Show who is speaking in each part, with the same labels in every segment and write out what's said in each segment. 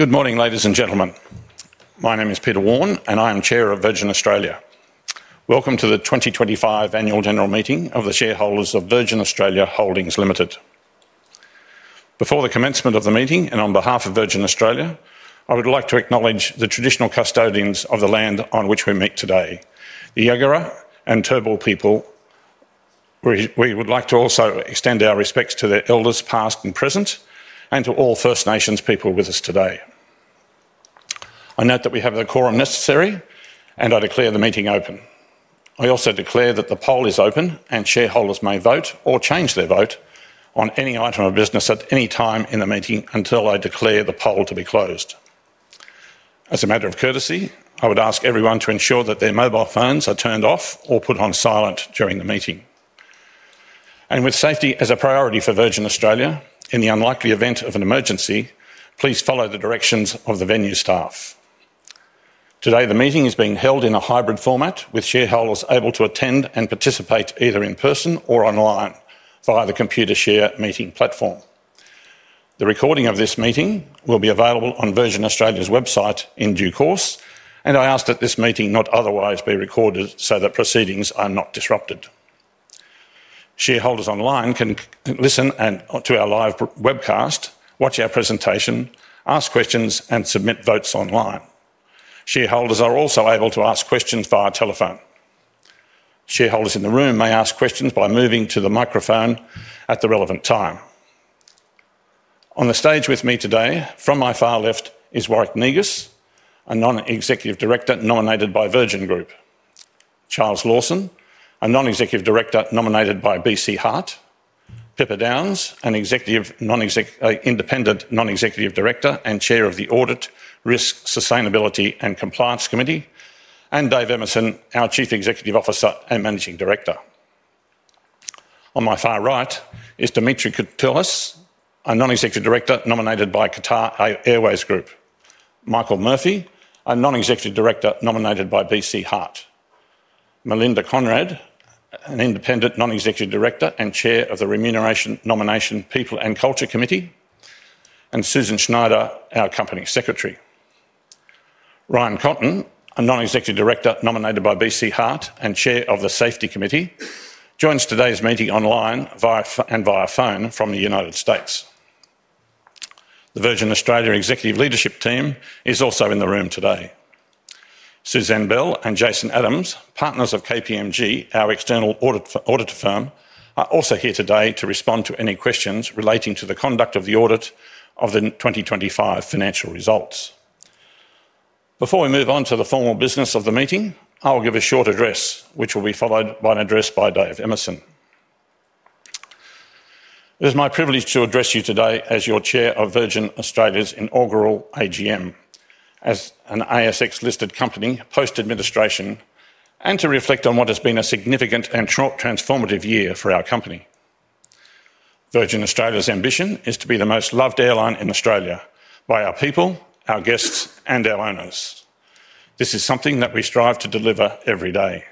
Speaker 1: Good morning, ladies and gentlemen. My name is Peter Warne, and I am Chair of Virgin Australia. Welcome to the 2025 Annual General Meeting of the Shareholders of Virgin Australia Holdings Ltd. Before the commencement of the meeting, and on behalf of Virgin Australia, I would like to acknowledge the traditional custodians of the land on which we meet today, the Yugara and Turrbal people. We would like to also extend our respects to their elders, past and present, and to all First Nations people with us today. I note that we have the quorum necessary, and I declare the meeting open. I also declare that the poll is open, and shareholders may vote or change their vote on any item of business at any time in the meeting until I declare the poll to be closed. As a matter of courtesy, I would ask everyone to ensure that their mobile phones are turned off or put on silent during the meeting. With safety as a priority for Virgin Australia, in the unlikely event of an emergency, please follow the directions of the venue staff. Today, the meeting is being held in a hybrid format, with shareholders able to attend and participate either in person or online via the computer share meeting platform. The recording of this meeting will be available on Virgin Australia's website in due course, and I ask that this meeting not otherwise be recorded so that proceedings are not disrupted. Shareholders online can listen to our live webcast, watch our presentation, ask questions, and submit votes online. Shareholders are also able to ask questions via telephone. Shareholders in the room may ask questions by moving to the microphone at the relevant time. On the stage with me today, from my far left, is Warwick Negus, a Non-Executive Director nominated by Virgin Group, Charles Lawson, a Non-Executive Director nominated by BC Hart, Pippa Downes, an Independent Non-Executive Director and Chair of the Audit Risk, Sustainability, and Compliance Committee, and Dave Emerson, our Chief Executive Officer and Managing Director. On my far right is Dimitri Courtelis, a Non-Executive Director nominated by Qatar Airways Group, Michael Murphy, a Non-Executive Director nominated by BC Hart, Melinda Conrad, an Independent Non-Executive Director and Chair of the Remuneration, Nomination, People, and Culture Committee, and Susan Schneider, our Company Secretary. Ryan Cotton, a Non-Executive Director nominated by BC Hart and Chair of the Safety Committee, joins today's meeting online and via phone from the United States. The Virgin Australia Executive Leadership Team is also in the room today. Suzanne Bell and Jason Adams, partners of KPMG, our external audit firm, are also here today to respond to any questions relating to the conduct of the audit of the 2025 financial results. Before we move on to the formal business of the meeting, I will give a short address, which will be followed by an address by Dave Emerson. It is my privilege to address you today as your Chair of Virgin Australia's inaugural AGM, as an ASX-listed company post-administration, and to reflect on what has been a significant and transformative year for our company. Virgin Australia's ambition is to be the most loved airline in Australia by our people, our guests, and our owners. This is something that we strive to deliver every day.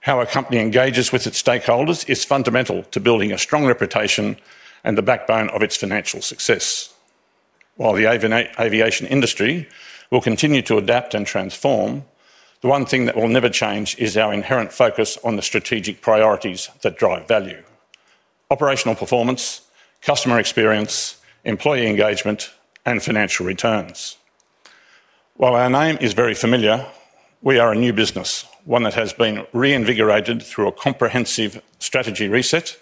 Speaker 1: How a company engages with its stakeholders is fundamental to building a strong reputation and the backbone of its financial success. While the aviation industry will continue to adapt and transform, the one thing that will never change is our inherent focus on the strategic priorities that drive value: operational performance, customer experience, employee engagement, and financial returns. While our name is very familiar, we are a new business, one that has been reinvigorated through a comprehensive strategy reset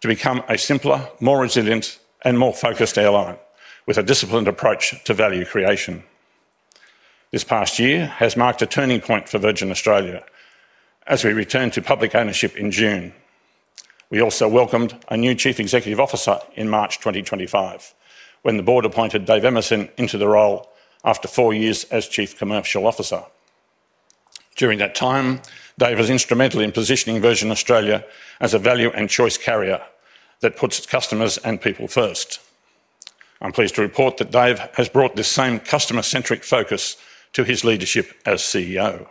Speaker 1: to become a simpler, more resilient, and more focused airline with a disciplined approach to value creation. This past year has marked a turning point for Virgin Australia as we returned to public ownership in June. We also welcomed a new Chief Executive Officer in March 2025, when the Board appointed Dave Emerson into the role after four years as Chief Commercial Officer. During that time, Dave was instrumental in positioning Virgin Australia as a Value and Choice Carrier that puts its customers and people first. I'm pleased to report that Dave has brought this same customer-centric focus to his leadership as CEO.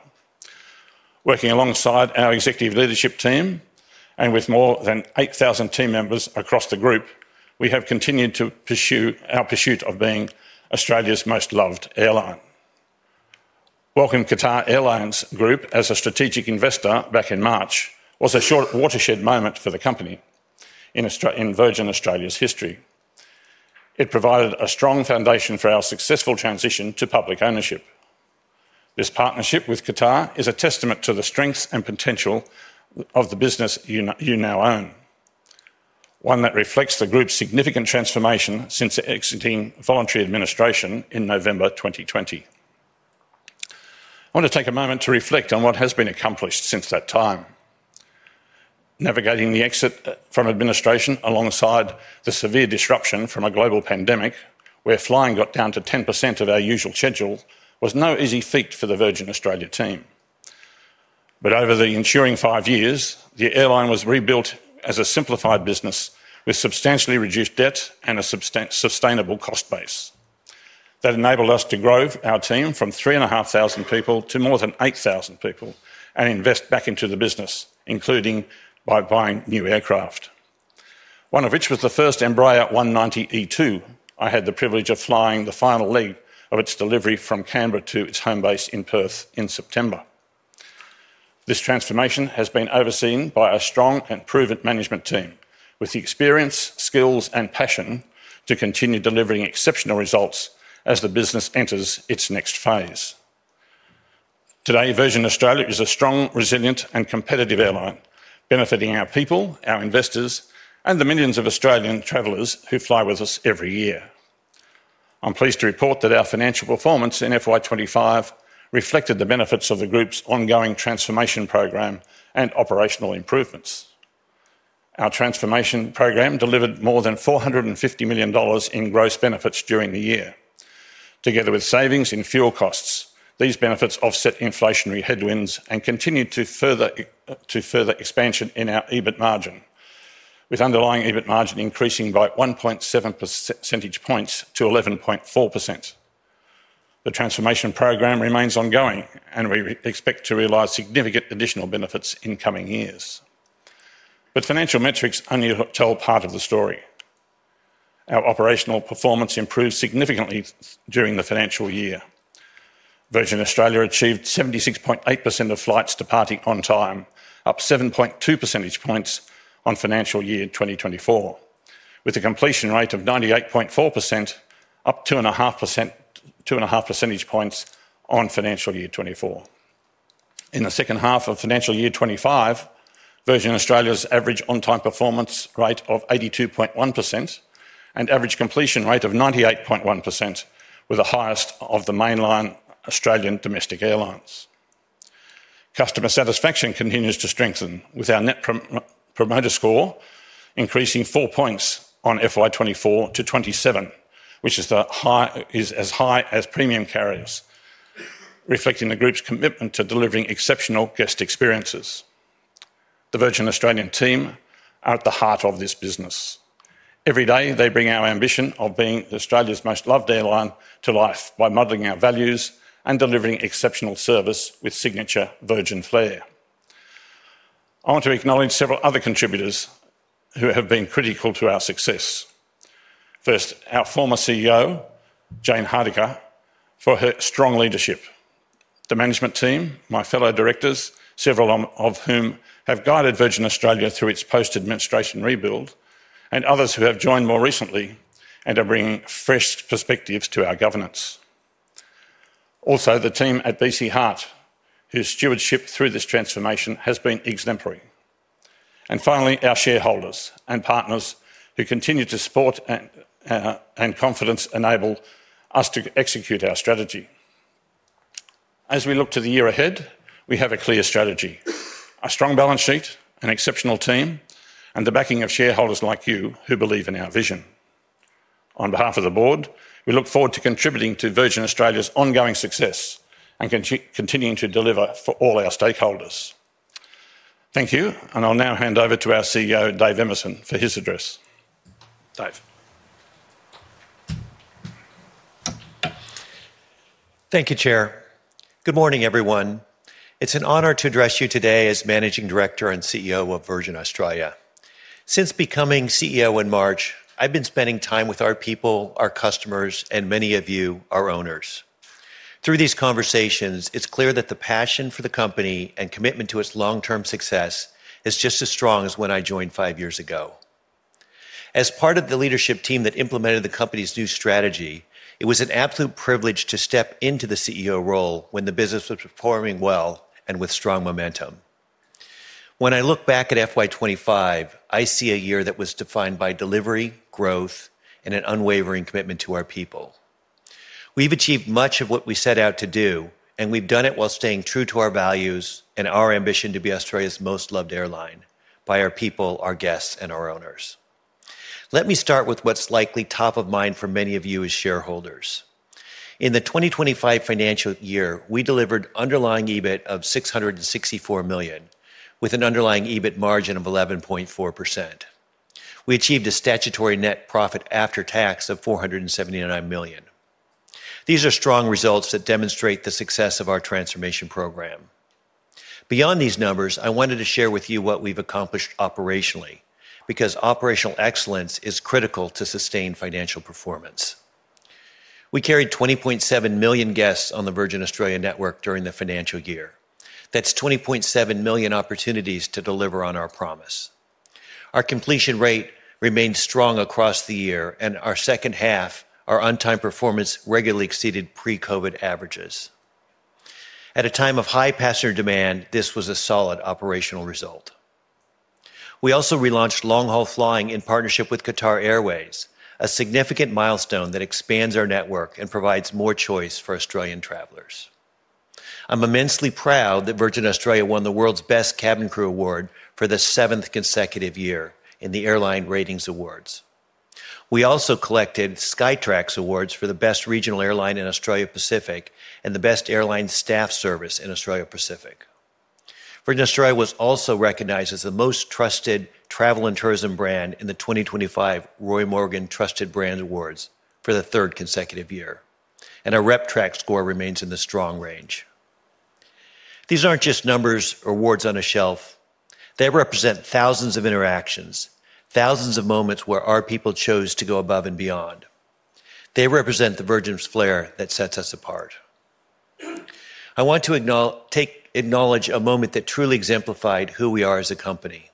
Speaker 1: Working alongside our Executive Leadership team and with more than 8,000 team members across the group, we have continued to pursue our pursuit of being Australia's most loved airline. Welcoming Qatar Airways Group as a strategic investor back in March was a short watershed moment for the company in Virgin Australia's history. It provided a strong foundation for our successful transition to public ownership. This partnership with Qatar is a testament to the strengths and potential of the business you now own, one that reflects the group's significant transformation since exiting voluntary administration in November 2020. I want to take a moment to reflect on what has been accomplished since that time. Navigating the exit from administration alongside the severe disruption from a global pandemic, where flying got down to 10% of our usual schedule, was no easy feat for the Virgin Australia team. Over the ensuring five years, the airline was rebuilt as a simplified business with substantially reduced debt and a sustainable cost base. That enabled us to grow our team from 3,500 people to more than 8,000 people and invest back into the business, including by buying new aircraft, one of which was the first Embraer E190-E2. I had the privilege of flying the final leg of its delivery from Canberra to its home base in Perth in September. This transformation has been overseen by a strong and proven management team, with the experience, skills, and passion to continue delivering exceptional results as the business enters its next phase. Today, Virgin Australia is a strong, resilient, and competitive airline, benefiting our people, our investors, and the millions of Australian travelers who fly with us every year. I'm pleased to report that our financial performance in FY 2025 reflected the benefits of the group's ongoing transformation program and operational improvements. Our transformation program delivered more than 450 million dollars in gross benefits during the year. Together with savings in fuel costs, these benefits offset inflationary headwinds and continued to further expansion in our EBIT margin, with underlying EBIT margin increasing by 1.7 percentage points to 11.4%. The transformation program remains ongoing, and we expect to realize significant additional benefits in coming years. Financial metrics only tell part of the story. Our operational performance improved significantly during the financial year. Virgin Australia achieved 76.8% of flights departing on time, up 7.2 percentage points on financial year 2024, with a completion rate of 98.4%, up 2.5 percentage points on financial year 2024. In the second half of financial year 2025, Virgin Australia's average on-time performance rate of 82.1% and average completion rate of 98.1% were the highest of the mainline Australian Domestic Airlines. Customer satisfaction continues to strengthen, with our net promoter score increasing four points on FY 2024 to 2027, which is as high as premium carriers, reflecting the group's commitment to delivering exceptional guest experiences. The Virgin Australia team are at the heart of this business. Every day, they bring our ambition of being Australia's most loved airline to life by modeling our values and delivering exceptional service with signature Virgin flair. I want to acknowledge several other contributors who have been critical to our success. First, our former CEO, Jayne Hrdlicka, for her strong leadership. The Management team, my fellow Directors, several of whom have guided Virgin Australia through its post-administration rebuild, and others who have joined more recently and are bringing fresh perspectives to our Governance. Also, the team at BC Hart, whose stewardship through this transformation has been exemplary. Finally, our shareholders and partners who continue to support and confidence enable us to execute our strategy. As we look to the year ahead, we have a clear strategy, a strong balance sheet, an exceptional team, and the backing of shareholders like you who believe in our vision. On behalf of the Board, we look forward to contributing to Virgin Australia's ongoing success and continuing to deliver for all our stakeholders. Thank you, and I'll now hand over to our CEO, Dave Emerson, for his address. Dave.
Speaker 2: Thank you, Chair. Good morning, everyone. It's an honor to address you today as Managing Director and CEO of Virgin Australia. Since becoming CEO in March, I've been spending time with our people, our customers, and many of you, our owners. Through these conversations, it's clear that the passion for the company and commitment to its long-term success is just as strong as when I joined five years ago. As part of the Leadership team that implemented the company's new strategy, it was an absolute privilege to step into the CEO role when the business was performing well and with strong momentum. When I look back at FY 2025, I see a year that was defined by delivery, growth, and an unwavering commitment to our people. We've achieved much of what we set out to do, and we've done it while staying true to our values and our ambition to be Australia's most loved airline by our people, our guests, and our owners. Let me start with what's likely top of mind for many of you as shareholders. In the 2025 financial year, we delivered underlying EBIT of 664 million, with an underlying EBIT margin of 11.4%. We achieved a statutory net profit after tax of 479 million. These are strong results that demonstrate the success of our transformation program. Beyond these numbers, I wanted to share with you what we've accomplished operationally, because operational excellence is critical to sustained financial performance. We carried 20.7 million guests on the Virgin Australia network during the financial year. That's 20.7 million opportunities to deliver on our promise. Our completion rate remained strong across the year, and our second half, our on-time performance, regularly exceeded pre-COVID averages. At a time of high passenger demand, this was a solid operational result. We also relaunched long-haul flying in partnership with Qatar Airways, a significant milestone that expands our network and provides more choice for Australian travellers. I'm immensely proud that Virgin Australia won the world's best cabin crew award for the seventh consecutive year in the airline ratings awards. We also collected Skytrax awards for the best regional airline in Australia Pacific and the best airline staff service in Australia Pacific. Virgin Australia was also recognized as the most trusted travel and tourism brand in the 2025 Roy Morgan Trusted Brand Awards for the third consecutive year, and our Reptrax score remains in the strong range. These aren't just numbers or awards on a shelf. They represent thousands of interactions, thousands of moments where our people chose to go above and beyond. They represent the Virgin's flair that sets us apart. I want to acknowledge a moment that truly exemplified who we are as a company.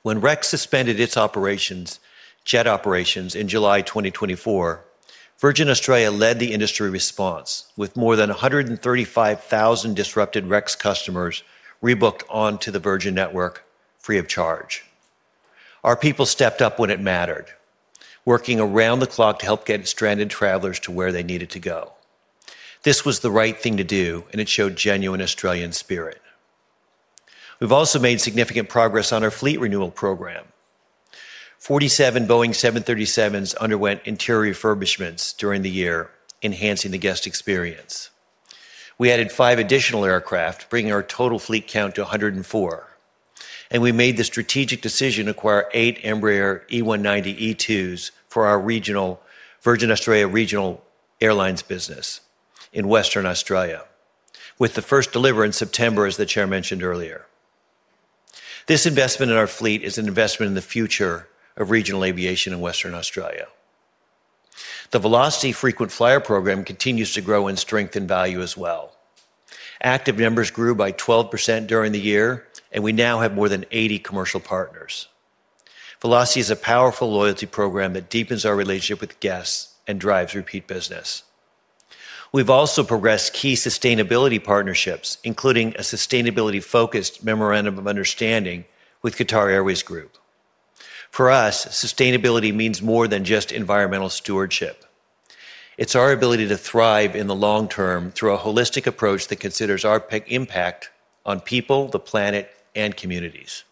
Speaker 2: When Rex suspended its operations, jet operations, in July 2024, Virgin Australia led the industry response, with more than 135,000 disrupted Rex customers rebooked onto the Virgin Network free of charge. Our people stepped up when it mattered, working around the clock to help get stranded travelers to where they needed to go. This was the right thing to do, and it showed genuine Australian spirit. We've also made significant progress on our fleet renewal program. Forty-seven Boeing 737s underwent interior refurbishments during the year, enhancing the guest experience. We added five additional aircraft, bringing our total fleet count to 104. We made the strategic decision to acquire eight Embraer E190-E2s for our Virgin Australia regional airlines business in Western Australia, with the first delivery in September, as the Chair mentioned earlier. This investment in our fleet is an investment in the future of regional aviation in Western Australia. The Velocity Frequent Flyer program continues to grow in strength and value as well. Active members grew by 12% during the year, and we now have more than 80 commercial partners. Velocity is a powerful loyalty program that deepens our relationship with guests and drives repeat business. We've also progressed key sustainability partnerships, including a sustainability-focused memorandum of understanding with Qatar Airways Group. For us, sustainability means more than just environmental stewardship. It's our ability to thrive in the long term through a holistic approach that considers our impact on people, the planet, and communities.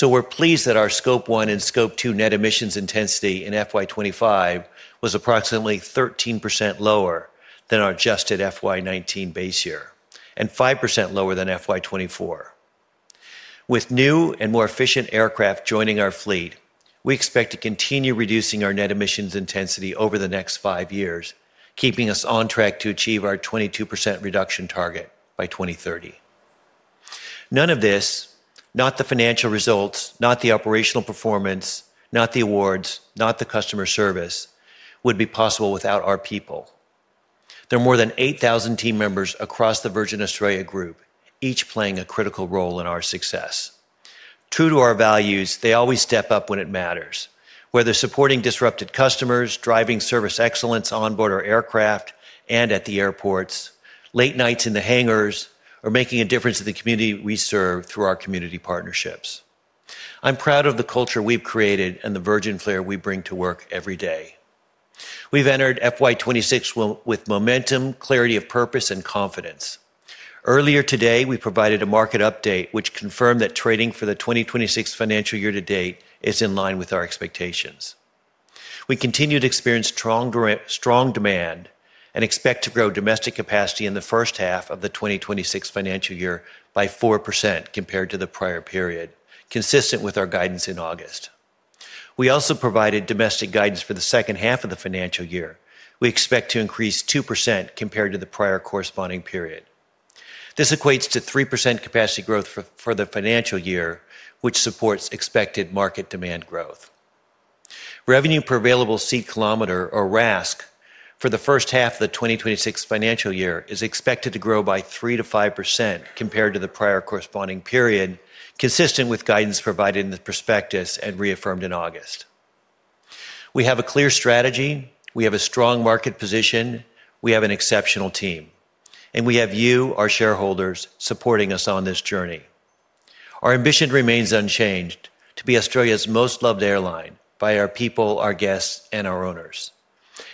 Speaker 2: We're pleased that our Scope 1 and Scope 2 net emissions intensity in FY2025 was approximately 13% lower than our adjusted FY 2019 base year and 5% lower than FY 2024. With new and more efficient aircraft joining our fleet, we expect to continue reducing our net emissions intensity over the next five years, keeping us on track to achieve our 22% reduction target by 2030. None of this, not the financial results, not the operational performance, not the awards, not the customer service, would be possible without our people. There are more than 8,000 team members across the Virgin Australia group, each playing a critical role in our success. True to our values, they always step up when it matters, whether supporting disrupted customers, driving service excellence onboard our aircraft and at the airports, late nights in the hangars, or making a difference in the community we serve through our community partnerships. I'm proud of the culture we've created and the Virgin flair we bring to work every day. We've entered FY 2026 with momentum, clarity of purpose, and confidence. Earlier today, we provided a market update, which confirmed that trading for the 2026 financial year to date is in line with our expectations. We continue to experience strong demand and expect to grow domestic capacity in the first half of the 2026 financial year by 4% compared to the prior period, consistent with our guidance in August. We also provided domestic guidance for the second half of the financial year. We expect to increase 2% compared to the prior corresponding period. This equates to 3% capacity growth for the financial year, which supports expected market demand growth. Revenue per Available Seat Kilometer, or RASK, for the first half of the 2026 financial year is expected to grow by 3%-5% compared to the prior corresponding period, consistent with guidance provided in the prospectus and reaffirmed in August. We have a clear strategy. We have a strong market position. We have an exceptional team. We have you, our shareholders, supporting us on this journey. Our ambition remains unchanged to be Australia's most loved airline by our people, our guests, and our owners.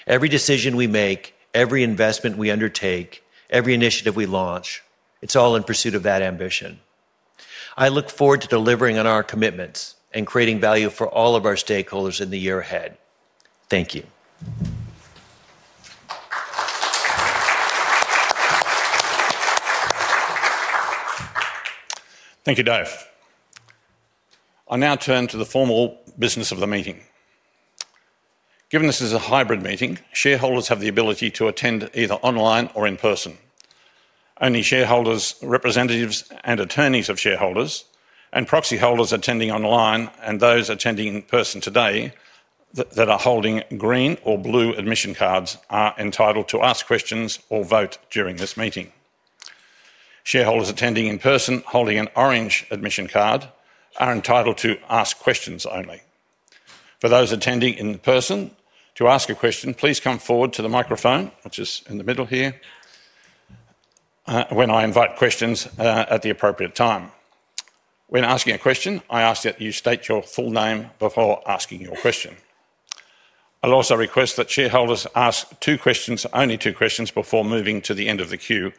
Speaker 2: Every decision we make, every investment we undertake, every initiative we launch, it's all in pursuit of that ambition. I look forward to delivering on our commitments and creating value for all of our stakeholders in the year ahead. Thank you.
Speaker 1: Thank you, Dave. I'll now turn to the formal business of the meeting. Given this is a hybrid meeting, shareholders have the ability to attend either online or in person. Only shareholders, representatives and attorneys of shareholders, and proxy holders attending online and those attending in person today that are holding green or blue Admission Cards are entitled to ask questions or vote during this meeting. Shareholders attending in person holding an orange Admission Card are entitled to ask questions only. For those attending in person to ask a question, please come forward to the microphone, which is in the middle here, when I invite questions at the appropriate time. When asking a question, I ask that you state your full name before asking your question. I'll also request that shareholders ask two questions, only two questions, before moving to the end of the queue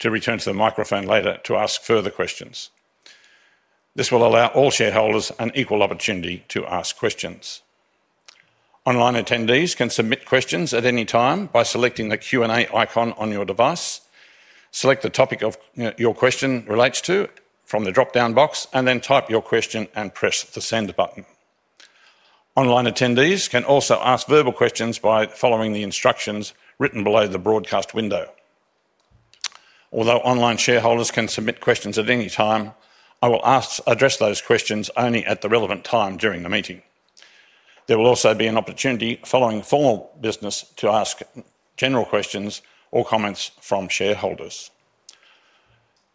Speaker 1: to return to the microphone later to ask further questions. This will allow all shareholders an equal opportunity to ask questions. Online attendees can submit questions at any time by selecting the Q&A icon on your device. Select the topic your question relates to from the drop-down box, and then type your question and press the send button. Online attendees can also ask verbal questions by following the instructions written below the broadcast window. Although online shareholders can submit questions at any time, I will address those questions only at the relevant time during the meeting. There will also be an opportunity following formal business to ask general questions or comments from shareholders.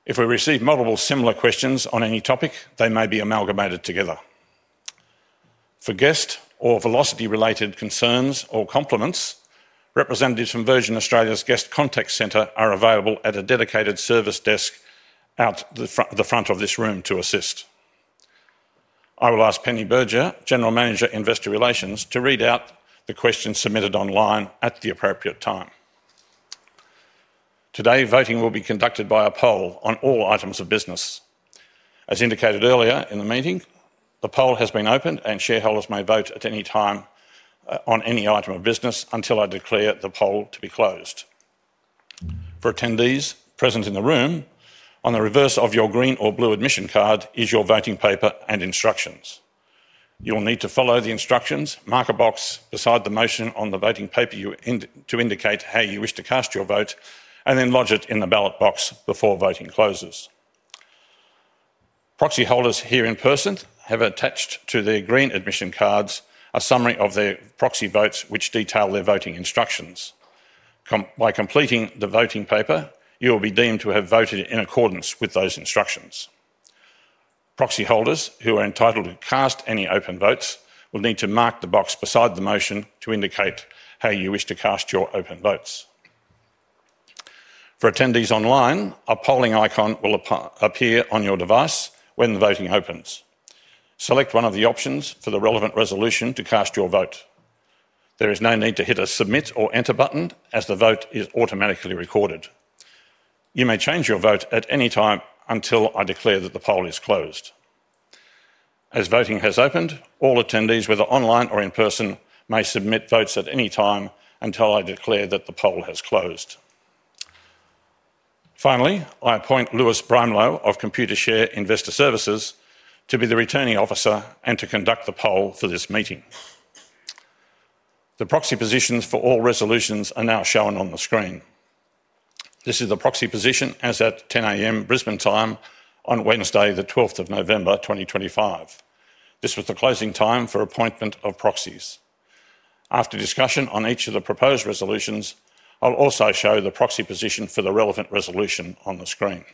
Speaker 1: If we receive multiple similar questions on any topic, they may be amalgamated together. For guest or Velocity-related concerns or compliments, representatives from Virgin Australia's Guest Contact Centre are available at a dedicated service desk out the front of this room to assist. I will ask Penny Berger, General Manager, Investor Relations, to read out the questions submitted online at the appropriate time. Today, voting will be conducted by a poll on all items of business. As indicated earlier in the meeting, the poll has been opened and shareholders may vote at any time on any item of business until I declare the poll to be closed. For attendees present in the room, on the reverse of your green or blue admission card is your voting paper and instructions. You'll need to follow the instructions, mark a box beside the motion on the voting paper to indicate how you wish to cast your vote, and then lodge it in the ballot box before voting closes. Proxy holders here in person have attached to their green Admission Cards a summary of their proxy votes, which detail their voting instructions. By completing the voting paper, you will be deemed to have voted in accordance with those instructions. Proxy holders who are entitled to cast any open votes will need to mark the box beside the motion to indicate how you wish to cast your open votes. For attendees online, a polling icon will appear on your device when the voting opens. Select one of the options for the relevant resolution to cast your vote. There is no need to hit a submit or enter button as the vote is automatically recorded. You may change your vote at any time until I declare that the poll is closed. As voting has opened, all attendees, whether online or in person, may submit votes at any time until I declare that the poll has closed. Finally, I appoint Lewis Brimelow of Computershare Investor Services to be the Returning Officer and to conduct the poll for this Meeting. The proxy positions for all resolutions are now shown on the screen. This is the proxy position as at 10:00 A.M. Brisbane time on Wednesday, the 12th of November 2025. This was the closing time for appointment of proxies. After discussion on each of the proposed resolutions, I'll also show the proxy position for the relevant resolution on the screen.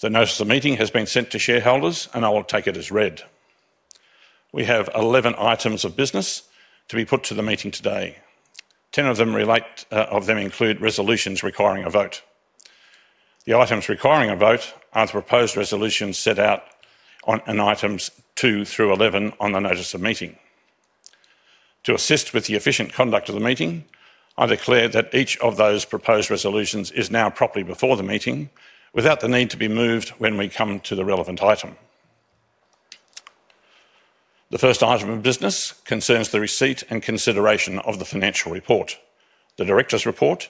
Speaker 1: The notice of meeting has been sent to shareholders, and I will take it as read. We have 11 items of business to be put to the meeting today. Ten of them include resolutions requiring a vote. The items requiring a vote are the proposed resolutions set out on items two through 11 on the notice of meeting. To assist with the efficient conduct of the meeting, I declare that each of those proposed resolutions is now properly before the meeting without the need to be moved when we come to the relevant item. The first item of business concerns the receipt and consideration of the financial report, the Director's Report,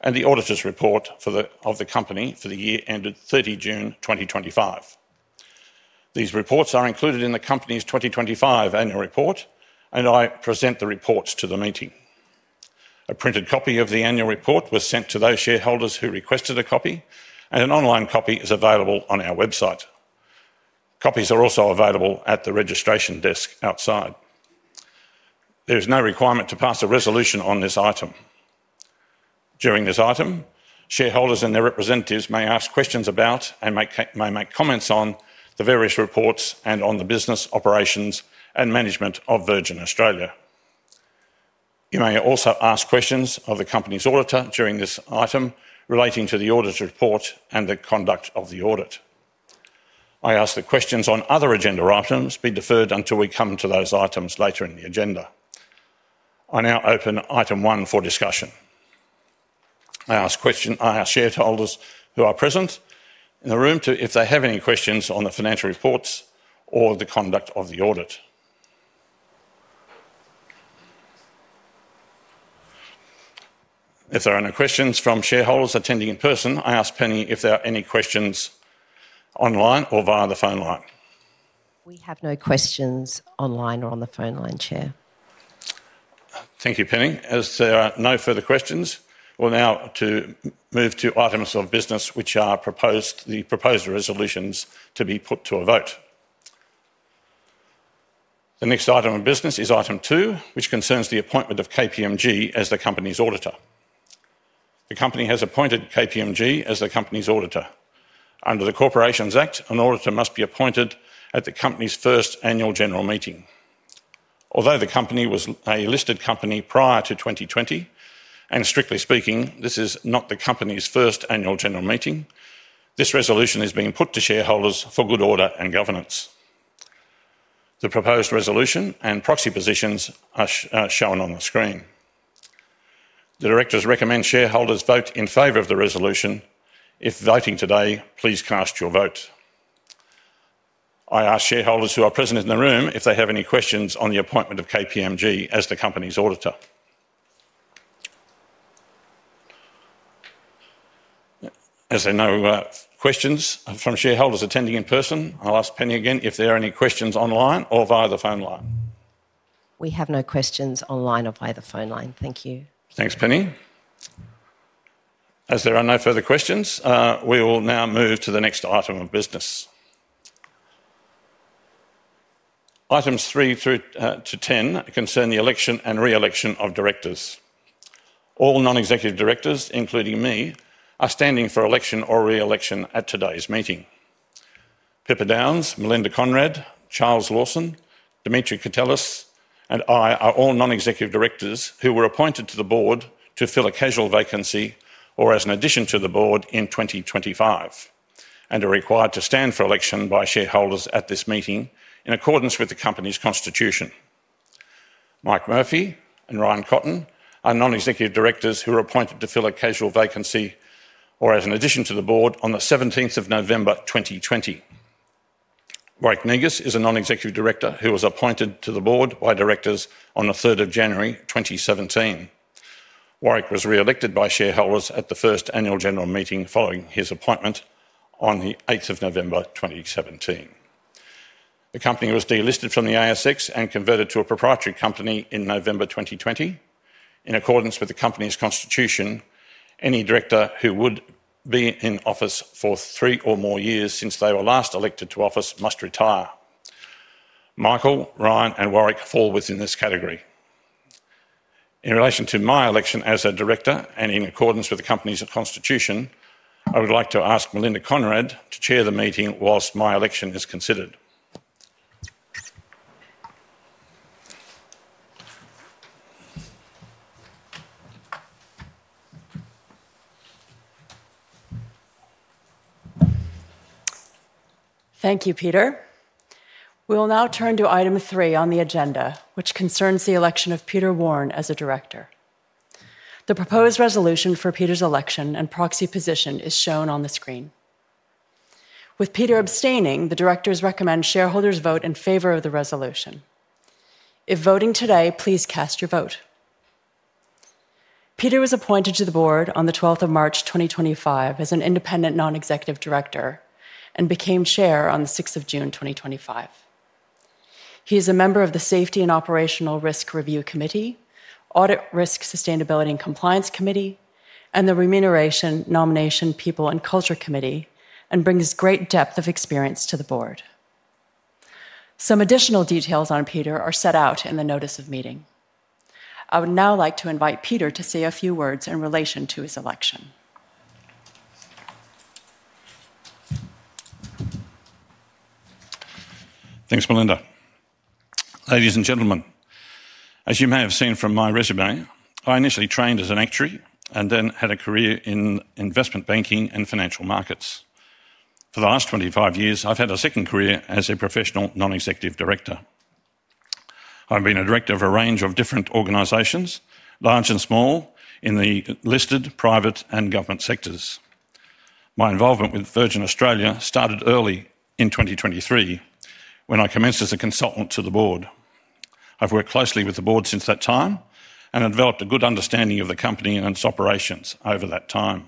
Speaker 1: and the Auditor's Report of the company for the year ended 30th June 2025. These reports are included in the company's 2025 Annual Report, and I present the reports to the meeting. A printed copy of the Annual Report was sent to those shareholders who requested a copy, and an online copy is available on our website. Copies are also available at the registration desk outside. There is no requirement to pass a resolution on this item. During this item, shareholders and their representatives may ask questions about and may make comments on the various reports and on the business operations and management of Virgin Australia. You may also ask questions of the company's auditor during this item relating to the auditor's report and the conduct of the audit. I ask that questions on other agenda items be deferred until we come to those items later in the agenda. I now open item one for discussion. I ask shareholders who are present in the room if they have any questions on the financial reports or the conduct of the audit. If there are no questions from shareholders attending in person, I ask Penny if there are any questions online or via the phone line.
Speaker 3: We have no questions online or on the phone line, Chair.
Speaker 1: Thank you, Penny. As there are no further questions, we will now move to items of business, which are the proposed resolutions to be put to a vote. The next item of business is item two, which concerns the appointment of KPMG as the company's auditor. The company has appointed KPMG as the company's auditor. Under the Corporations Act, an auditor must be appointed at the company's first Annual General Meeting. Although the company was a listed company prior to 2020, and strictly speaking, this is not the company's first Annual General Meeting, this resolution is being put to shareholders for good order and governance. The proposed resolution and proxy positions are shown on the screen. The directors recommend shareholders vote in favor of the resolution. If voting today, please cast your vote. I ask shareholders who are present in the room if they have any questions on the appointment of KPMG as the company's auditor. As there are no questions from shareholders attending in person, I'll ask Penny again if there are any questions online or via the phone line.
Speaker 3: We have no questions online or via the phone line. Thank you.
Speaker 1: Thanks, Penny. As there are no further questions, we will now move to the next item of business. Items three through 10 concern the election and re-election of directors. All Non-Executive Directors, including me, are standing for election or re-election at today's meeting. Pippa Downes, Melinda Conrad, Charles Lawson, Dimitri Courtelis, and I are all Non-Executive Directors who were appointed to the Board to fill a casual vacancy or as an addition to the Board in 2025 and are required to stand for election by shareholders at this meeting in accordance with the company's constitution. Mike Murphy and Ryan Cotton are Non-Executive Directors who were appointed to fill a casual vacancy or as an addition to the Board on the 17th of November 2020. Warwick Negus is a Non-Executive Director who was appointed to the Board by directors on the 3rd of January 2017. Warwick was re-elected by shareholders at the first Annual General Meeting following his appointment on the 8th of November 2017. The company was delisted from the ASX and converted to a proprietary company in November 2020. In accordance with the company's constitution, any director who would be in office for three or more years since they were last elected to office must retire. Michael, Ryan, and Warwick fall within this category. In relation to my election as a Director and in accordance with the company's constitution, I would like to ask Melinda Conrad to chair the meeting whilst my election is considered.
Speaker 4: Thank you, Peter. We will now turn to item three on the agenda, which concerns the election of Peter Warne as a director. The proposed resolution for Peter's election and proxy position is shown on the screen. With Peter abstaining, the directors recommend shareholders vote in favor of the resolution. If voting today, please cast your vote. Peter was appointed to the Board on the 12th of March 2025 as an Independent Non-Executive Director and became Chair on the 6th of June 2025. He is a Member of the Safety and Operational Risk Review Committee, Audit, Risk, Sustainability and Compliance Committee, and the Remuneration, Nomination, People, and Culture Committee, and brings great depth of experience to the Board. Some additional details on Peter are set out in the Notice of Meeting. I would now like to invite Peter to say a few words in relation to his election.
Speaker 1: Thanks, Melinda. Ladies and gentlemen, as you may have seen from my resume, I initially trained as an Actuary and then had a career in Investment Banking and Financial Markets. For the last 25 years, I've had a second career as a professional Non-Executive Director. I've been a Director of a range of different organizations, large and small, in the listed, private, and government sectors. My involvement with Virgin Australia started early in 2023 when I commenced as a consultant to the Board. I've worked closely with the Board since that time and developed a good understanding of the company and its operations over that time.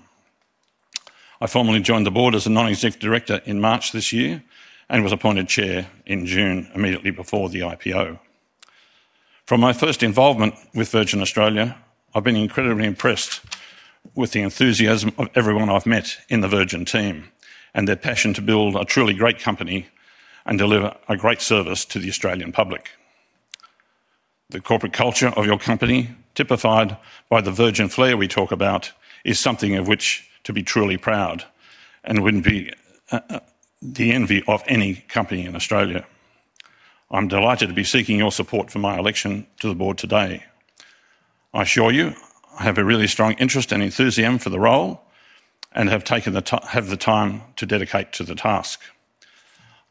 Speaker 1: I formally joined the Board as a Non-Executive Director in March this year and was appointed Chair in June, immediately before the IPO. From my first involvement with Virgin Australia, I've been incredibly impressed with the enthusiasm of everyone I've met in the Virgin team and their passion to build a truly great company and deliver a great service to the Australian public. The corporate culture of your company, typified by the Virgin flair we talk about, is something of which to be truly proud and would be the envy of any company in Australia. I'm delighted to be seeking your support for my election to the Board today. I assure you I have a really strong interest and enthusiasm for the role and have the time to dedicate to the task.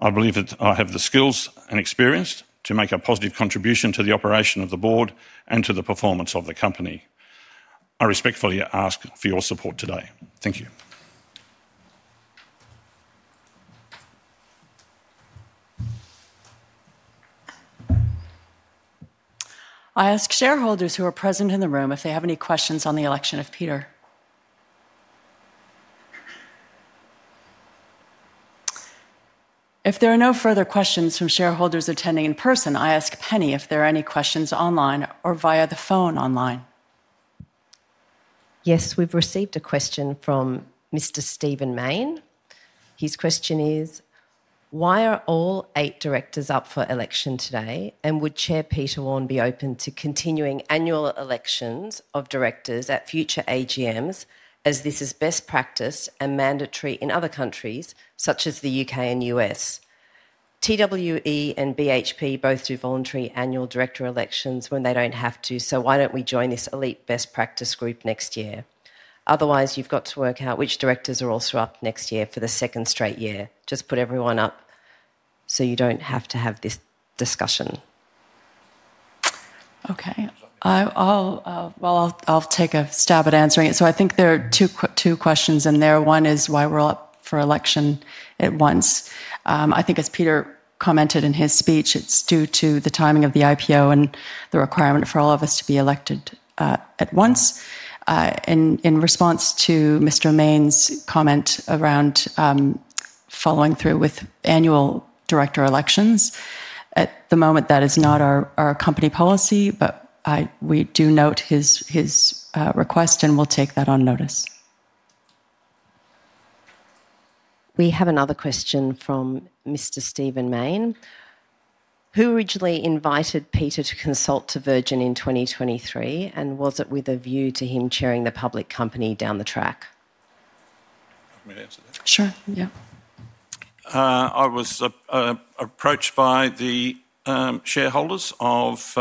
Speaker 1: I believe that I have the skills and experience to make a positive contribution to the operation of the Board and to the performance of the Company. I respectfully ask for your support today. Thank you.
Speaker 4: I ask shareholders who are present in the room if they have any questions on the election of Peter. If there are no further questions from shareholders attending in person, I ask Penny if there are any questions online or via the phone online.
Speaker 3: Yes, we've received a question from Mr. Stephen Mayne. His question is, why are all eight directors up for election today, and would Chair Peter Warne be open to continuing annual elections of directors at future AGMs as this is best practice and mandatory in other countries such as the U.K. and U.S.? TWE and BHP both do voluntary annual director elections when they don't have to, so why don't we join this elite best practice group next year? Otherwise, you've got to work out which directors are also up next year for the second straight year. Just put everyone up so you don't have to have this discussion.
Speaker 4: Okay. I'll take a stab at answering it. I think there are two questions in there. One is why we're up for election at once. I think, as Peter commented in his speech, it's due to the timing of the IPO and the requirement for all of us to be elected at once. In response to Mr. Mayne's comment around following through with Annual Director Elections, at the moment, that is not our company policy, but we do note his request and we'll take that on notice.
Speaker 3: We have another question from Mr. Stephen Mayne. Who originally invited Peter to consult to Virgin in 2023, and was it with a view to him chairing the public company down the track?
Speaker 1: Let me answer that.
Speaker 4: Sure, yeah.
Speaker 1: I was approached by the shareholders of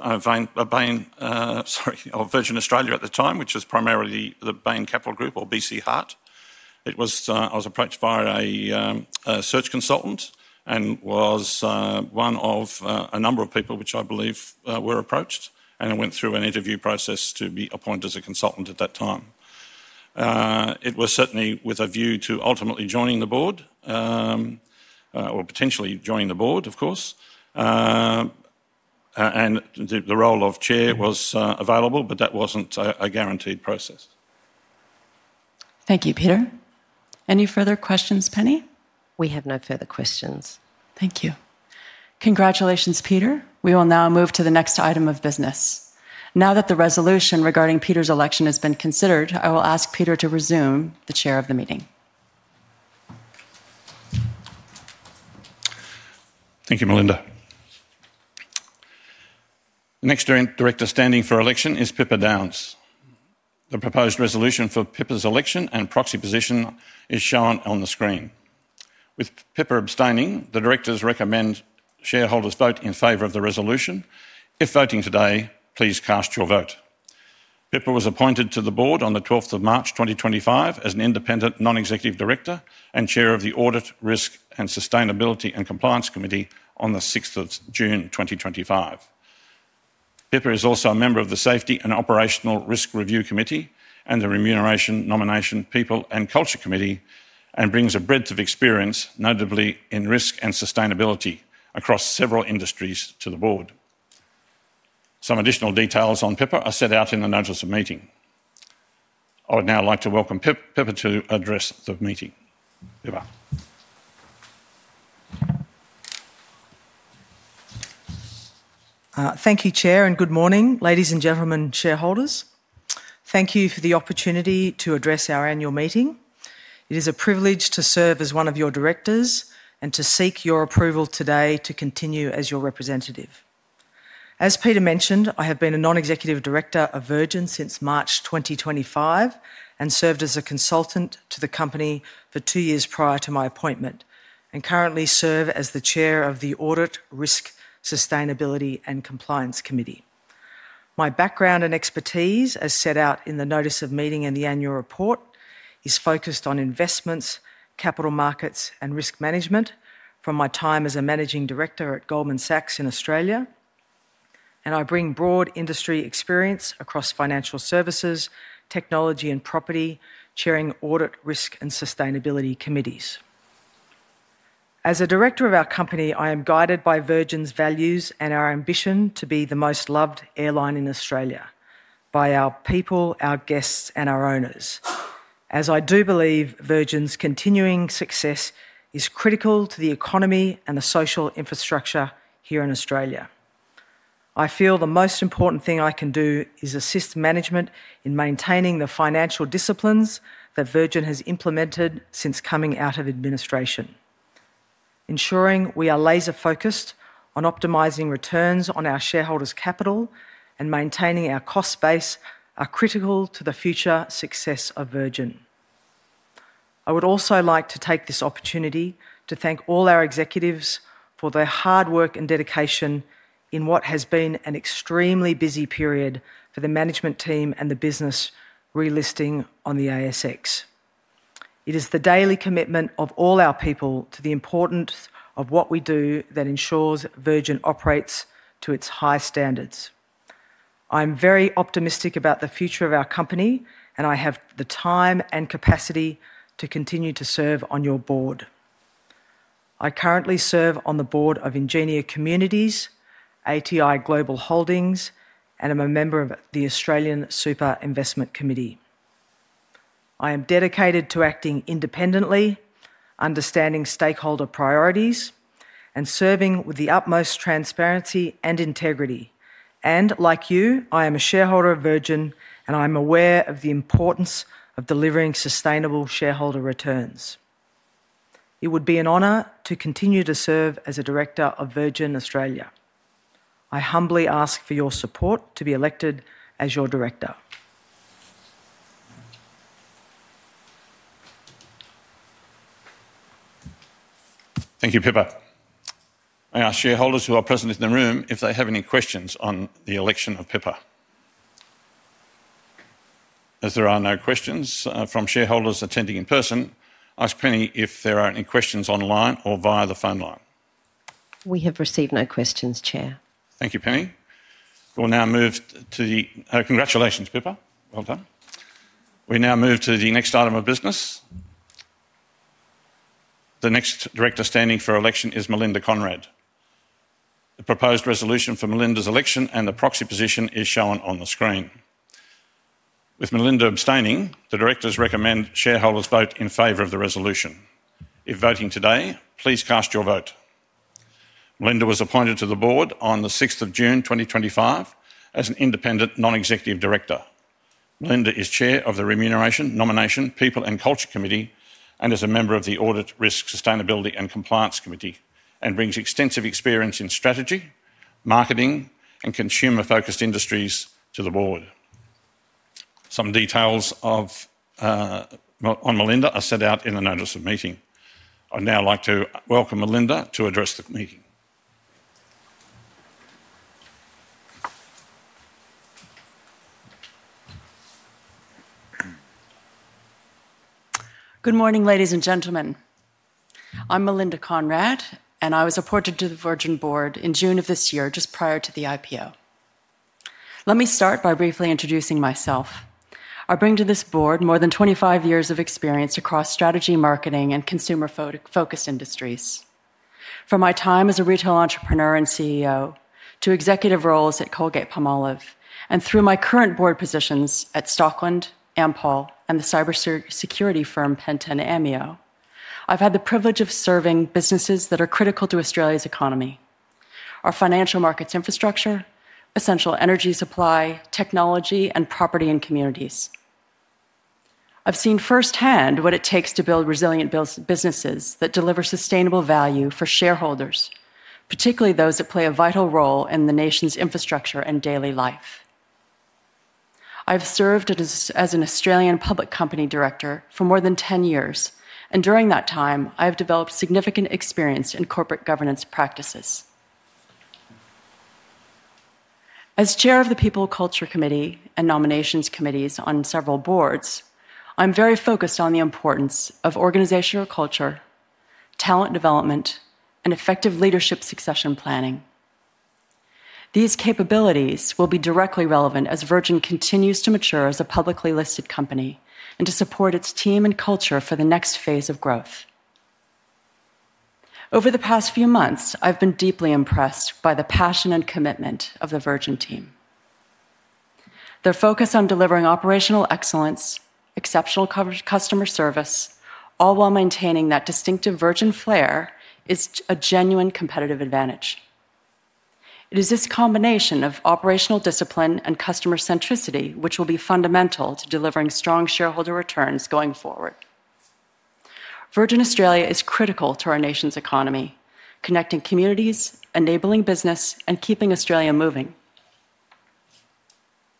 Speaker 1: Bain, sorry, of Virgin Australia at the time, which was primarily the BC Hart. I was approached by a search consultant and was one of a number of people which I believe were approached and went through an interview process to be appointed as a consultant at that time. It was certainly with a view to ultimately joining the Board or potentially joining the Board, of course. The role of Chair was available, but that was not a guaranteed process.
Speaker 4: Thank you, Peter. Any further questions, Penny?
Speaker 3: We have no further questions.
Speaker 4: Thank you. Congratulations, Peter. We will now move to the next item of business. Now that the resolution regarding Peter's election has been considered, I will ask Peter to resume the chair of the meeting.
Speaker 1: Thank you, Melinda. The next director standing for election is Pippa Downes. The proposed resolution for Pippa's election and proxy position is shown on the screen. With Pippa abstaining, the directors recommend shareholders vote in favor of the resolution. If voting today, please cast your vote. Pippa was appointed to the board on the 12th of March 2025 as an Independent Non-Executive Director and chair of the Audit, Risk, Sustainability, and Compliance Committee on the 6th of June 2025. Pippa is also a Member of the Safety and Operational Risk Review Committee and the Remuneration, Nomination, People, and Culture Committee and brings a breadth of experience, notably in risk and sustainability, across several industries to the board. Some additional details on Pippa are set out in the notice of meeting. I would now like to welcome Pippa to address the meeting. Pippa.
Speaker 5: Thank you, Chair, and good morning, ladies and gentlemen, shareholders. Thank you for the opportunity to address our Annual Meeting. It is a privilege to serve as one of your directors and to seek your approval today to continue as your representative. As Peter mentioned, I have been a Non-Executive Director of Virgin Australia since March 2025 and served as a consultant to the company for two years prior to my appointment and currently serve as the Chair of the Audit, Risk, Sustainability, and Compliance Committee. My background and expertise, as set out in the Notice of Meeting and the Annual Report, is focused on investments, capital markets, and risk management from my time as a Managing Director at Goldman Sachs in Australia, and I bring broad industry experience across financial services, technology, and property, chairing audit, risk, and sustainability committees. As a Director of our Company, I am guided by Virgin's values and our ambition to be the most loved airline in Australia by our people, our guests, and our owners. As I do believe, Virgin's continuing success is critical to the economy and the social infrastructure here in Australia. I feel the most important thing I can do is assist management in maintaining the financial disciplines that Virgin has implemented since coming out of administration. Ensuring we are laser-focused on optimizing returns on our shareholders' capital and maintaining our cost base are critical to the future success of Virgin. I would also like to take this opportunity to thank all our executives for their hard work and dedication in what has been an extremely busy period for the Management team and the business relisting on the ASX. It is the daily commitment of all our people to the importance of what we do that ensures Virgin operates to its high standards. I am very optimistic about the future of our company, and I have the time and capacity to continue to serve on your Board. I currently serve on the Board of Ingenia Communities, ATI Global Holdings, and am a Member of the Australian Super Investment Committee. I am dedicated to acting Independently, understanding stakeholder priorities, and serving with the utmost transparency and integrity. Like you, I am a Shareholder of Virgin, and I am aware of the importance of delivering sustainable shareholder returns. It would be an honor to continue to serve as a Director of Virgin Australia. I humbly ask for your support to be elected as your Director.
Speaker 1: Thank you, Pippa. I ask shareholders who are present in the room if they have any questions on the election of Pippa. As there are no questions from shareholders attending in person, I ask Penny if there are any questions online or via the phone line.
Speaker 3: We have received no questions, Chair.
Speaker 1: Thank you, Penny. We will now move to the congratulations, Pippa. Well done. We now move to the next item of business. The next director standing for election is Melinda Conrad. The proposed resolution for Melinda's election and the proxy position is shown on the screen. With Melinda abstaining, the directors recommend shareholders vote in favor of the resolution. If voting today, please cast your vote. Melinda was appointed to the Board on the 6th of June 2025 as an Independent Non-Executive Director. Melinda is chair of the Remuneration, Nomination, People, and Culture Committee and is a Member of the Audit, Risk, Sustainability and Compliance Committee and brings extensive experience in strategy, marketing, and consumer-focused industries to the Board. Some details on Melinda are set out in the notice of meeting. I would now like to welcome Melinda to address the Meeting.
Speaker 4: Good morning, ladies and gentlemen. I'm Melinda Conrad, and I was appointed to the Virgin Board in June of this year, just prior to the IPO. Let me start by briefly introducing myself. I bring to this Board more than 25 years of experience across strategy, marketing, and consumer-focused industries. From my time as a retail entrepreneur and CEO to executive roles at Colgate-Palmolive and through my current Board positions at Stockland, Ampol, and the cybersecurity firm PenenAmio, I've had the privilege of serving businesses that are critical to Australia's economy, our financial markets infrastructure, essential energy supply, technology, and property and communities. I've seen firsthand what it takes to build resilient businesses that deliver sustainable value for shareholders, particularly those that play a vital role in the nation's infrastructure and daily life. I've served as an Australian Public Company Director for more than 10 years, and during that time, I have developed significant experience in corporate governance practices. As Chair of the People Culture Committee and Nominations Committees on several boards, I'm very focused on the importance of organizational culture, talent development, and effective leadership succession planning. These capabilities will be directly relevant as Virgin continues to mature as a publicly listed company and to support its team and culture for the next phase of growth. Over the past few months, I've been deeply impressed by the passion and commitment of the Virgin team. Their focus on delivering operational excellence, exceptional customer service, all while maintaining that distinctive Virgin flair is a genuine competitive advantage. It is this combination of operational discipline and customer centricity which will be fundamental to delivering strong shareholder returns going forward. Virgin Australia is critical to our nation's economy, connecting communities, enabling business, and keeping Australia moving.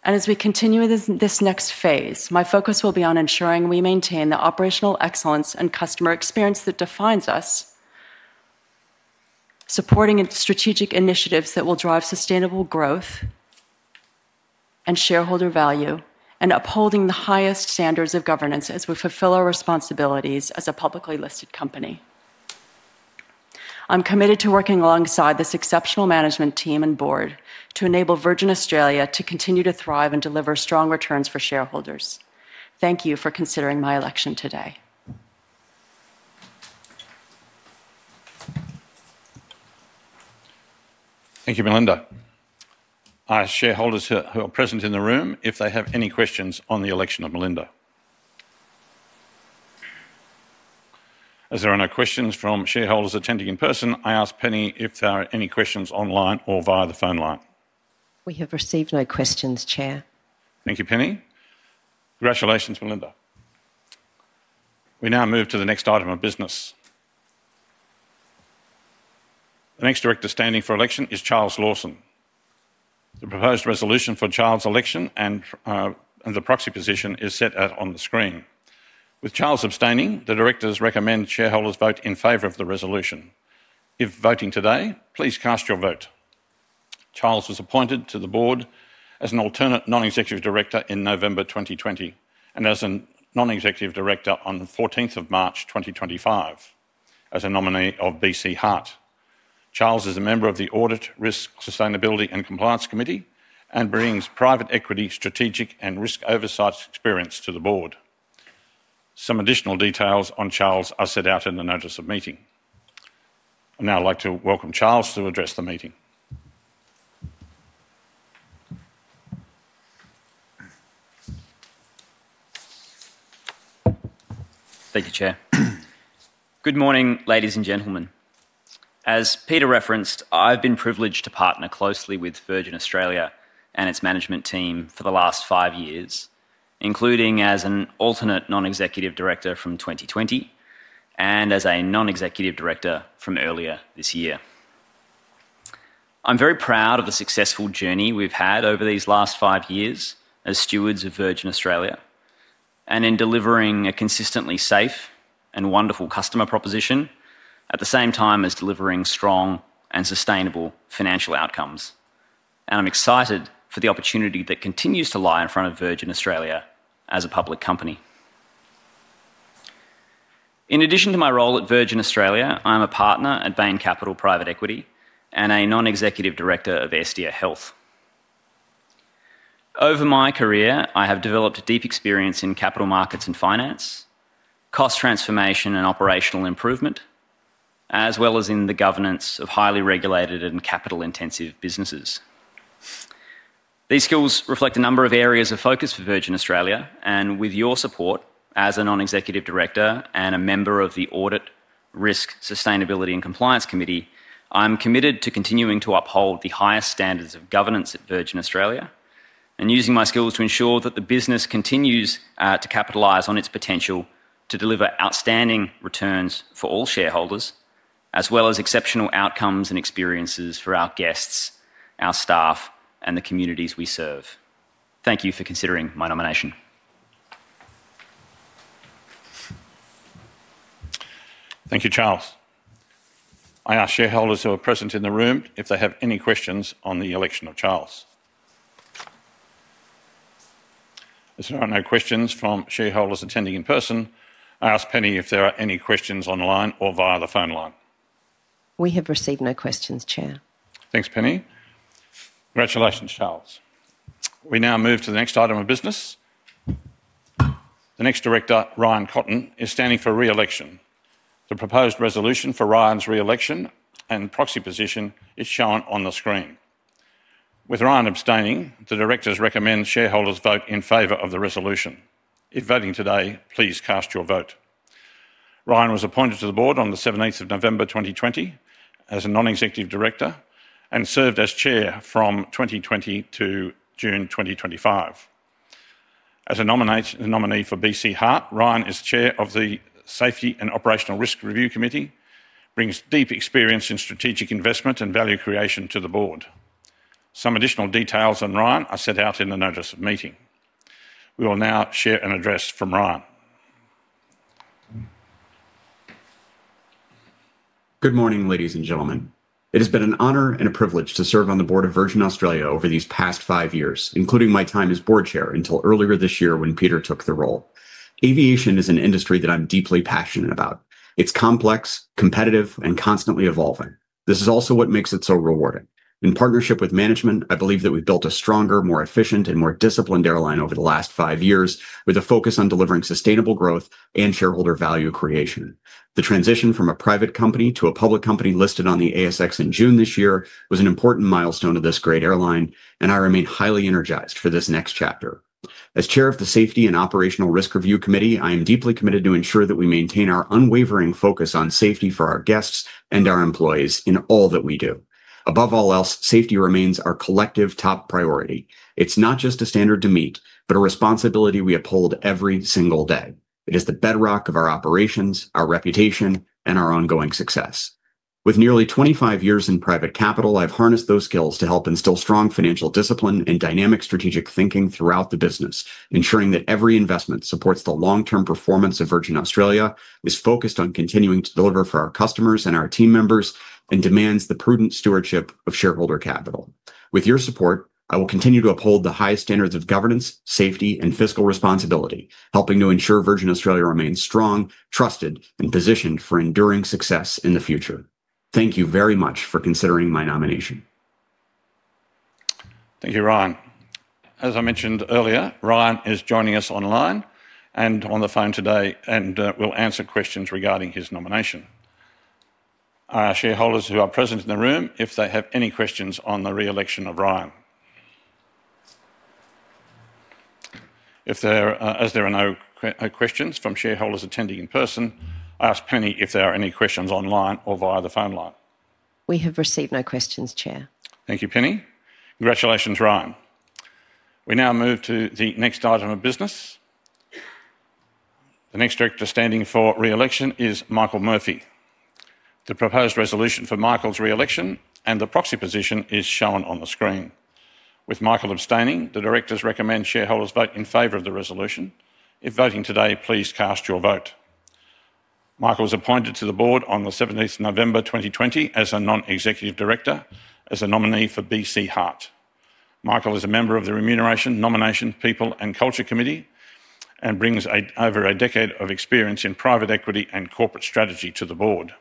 Speaker 4: As we continue this next phase, my focus will be on ensuring we maintain the operational excellence and customer experience that defines us, supporting strategic initiatives that will drive sustainable growth and shareholder value, and upholding the highest standards of governance as we fulfill our responsibilities as a publicly listed company. I'm committed to working alongside this exceptional Management team and Board to enable Virgin Australia to continue to thrive and deliver strong returns for shareholders. Thank you for considering my election today.
Speaker 1: Thank you, Melinda. Our shareholders who are present in the room, if they have any questions on the election of Melinda. As there are no questions from shareholders attending in person, I ask Penny if there are any questions online or via the phone line.
Speaker 3: We have received no questions, Chair.
Speaker 1: Thank you, Penny. Congratulations, Melinda. We now move to the next item of business. The next director standing for election is Charles Lawson. The proposed resolution for Charles' election and the proxy position is set out on the screen. With Charles abstaining, the directors recommend shareholders vote in favor of the resolution. If voting today, please cast your vote. Charles was appointed to the Board as an alternate Non-Executive Director in November 2020 and as a Non-Executive Director on the 14th of March 2025 as a nominee of BC Hart. Charles is a Member of the Audit, Risk, Sustainability and Compliance Committee and brings private equity strategic and risk oversight experience to the Board. Some additional details on Charles are set out in the notice of meeting. I'd now like to welcome Charles to address the meeting.
Speaker 6: Thank you, Chair. Good morning, ladies and gentlemen. As Peter referenced, I've been privileged to partner closely with Virgin Australia and its Management team for the last five years, including as an alternate Non-Executive Director from 2020 and as a Non-Executive Director from earlier this year. I'm very proud of the successful journey we've had over these last five years as stewards of Virgin Australia and in delivering a consistently safe and wonderful customer proposition at the same time as delivering strong and sustainable financial outcomes. I'm excited for the opportunity that continues to lie in front of Virgin Australia as a public company. In addition to my role at Virgin Australia, I'm a partner at Bain Capital Private Equity and a Non-Executive Director of SDA Health. Over my career, I have developed a deep experience in Capital Markets and Finance, Cost Transformation and Operational Improvement, as well as in the governance of highly regulated and capital-intensive businesses. These skills reflect a number of areas of focus for Virgin Australia, and with your support as a Non-Executive Director and a Member of the Audit, Risk, Sustainability, and Compliance Committee, I'm committed to continuing to uphold the highest standards of governance at Virgin Australia and using my skills to ensure that the business continues to capitalize on its potential to deliver outstanding returns for all shareholders, as well as exceptional outcomes and experiences for our guests, our staff, and the communities we serve. Thank you for considering my nomination.
Speaker 1: Thank you, Charles. I ask shareholders who are present in the room if they have any questions on the election of Charles. As there are no questions from shareholders attending in person, I ask Penny if there are any questions online or via the phone line.
Speaker 3: We have received no questions, Chair.
Speaker 1: Thanks, Penny. Congratulations, Charles. We now move to the next item of business. The next director, Ryan Cotton, is standing for re-election. The proposed resolution for Ryan's re-election and proxy position is shown on the screen. With Ryan abstaining, the directors recommend shareholders vote in favor of the resolution. If voting today, please cast your vote. Ryan was appointed to the Board on the 7th of November 2020 as a Non-Executive Director and served as Chair from 2020 to June 2025. As a nominee for BC Hart, Ryan is chair of the Safety and Operational Risk Review Committee, brings deep experience in strategic investment and value creation to the Board. Some additional details on Ryan are set out in the notice of meeting. We will now share an address from Ryan.
Speaker 7: Good morning, ladies and gentlemen. It has been an honor and a privilege to serve on the Board of Virgin Australia over these past five years, including my time as Board Chair until earlier this year when Peter took the role. Aviation is an industry that I'm deeply passionate about. It's complex, competitive, and constantly evolving. This is also what makes it so rewarding. In partnership with Management, I believe that we've built a stronger, more efficient, and more disciplined airline over the last five years with a focus on delivering sustainable growth and shareholder value creation. The transition from a private company to a public company listed on the ASX in June this year was an important milestone of this great airline, and I remain highly energized for this next chapter. As Chair of the Safety and Operational Risk Review Committee, I am deeply committed to ensure that we maintain our unwavering focus on safety for our guests and our employees in all that we do. Above all else, safety remains our collective top priority. It's not just a standard to meet, but a responsibility we uphold every single day. It is the bedrock of our operations, our reputation, and our ongoing success. With nearly 25 years in private capital, I've harnessed those skills to help instill strong financial discipline and dynamic strategic thinking throughout the business, ensuring that every investment supports the long-term performance of Virgin Australia, is focused on continuing to deliver for our customers and our team members, and demands the prudent stewardship of shareholder capital. With your support, I will continue to uphold the highest standards of governance, safety, and fiscal responsibility, helping to ensure Virgin Australia remains strong, trusted, and positioned for enduring success in the future. Thank you very much for considering my nomination.
Speaker 1: Thank you, Ryan. As I mentioned earlier, Ryan is joining us online and on the phone today and will answer questions regarding his nomination. Our shareholders who are present in the room, if they have any questions on the re-election of Ryan. If there are no questions from shareholders attending in person, I ask Penny if there are any questions online or via the phone line.
Speaker 3: We have received no questions, Chair.
Speaker 1: Thank you, Penny. Congratulations, Ryan. We now move to the next item of business. The next director standing for re-election is Michael Murphy. The proposed resolution for Michael's re-election and the proxy position is shown on the screen. With Michael abstaining, the directors recommend shareholders vote in favor of the resolution. If voting today, please cast your vote. Michael was appointed to the board on the 7th of November 2020 as a Non-Executive Director, as a nominee for BC Hart. Michael is a Member of the Remuneration, Nomination, People, and Culture Committee and brings over a decade of experience in private equity and corporate strategy to the Board.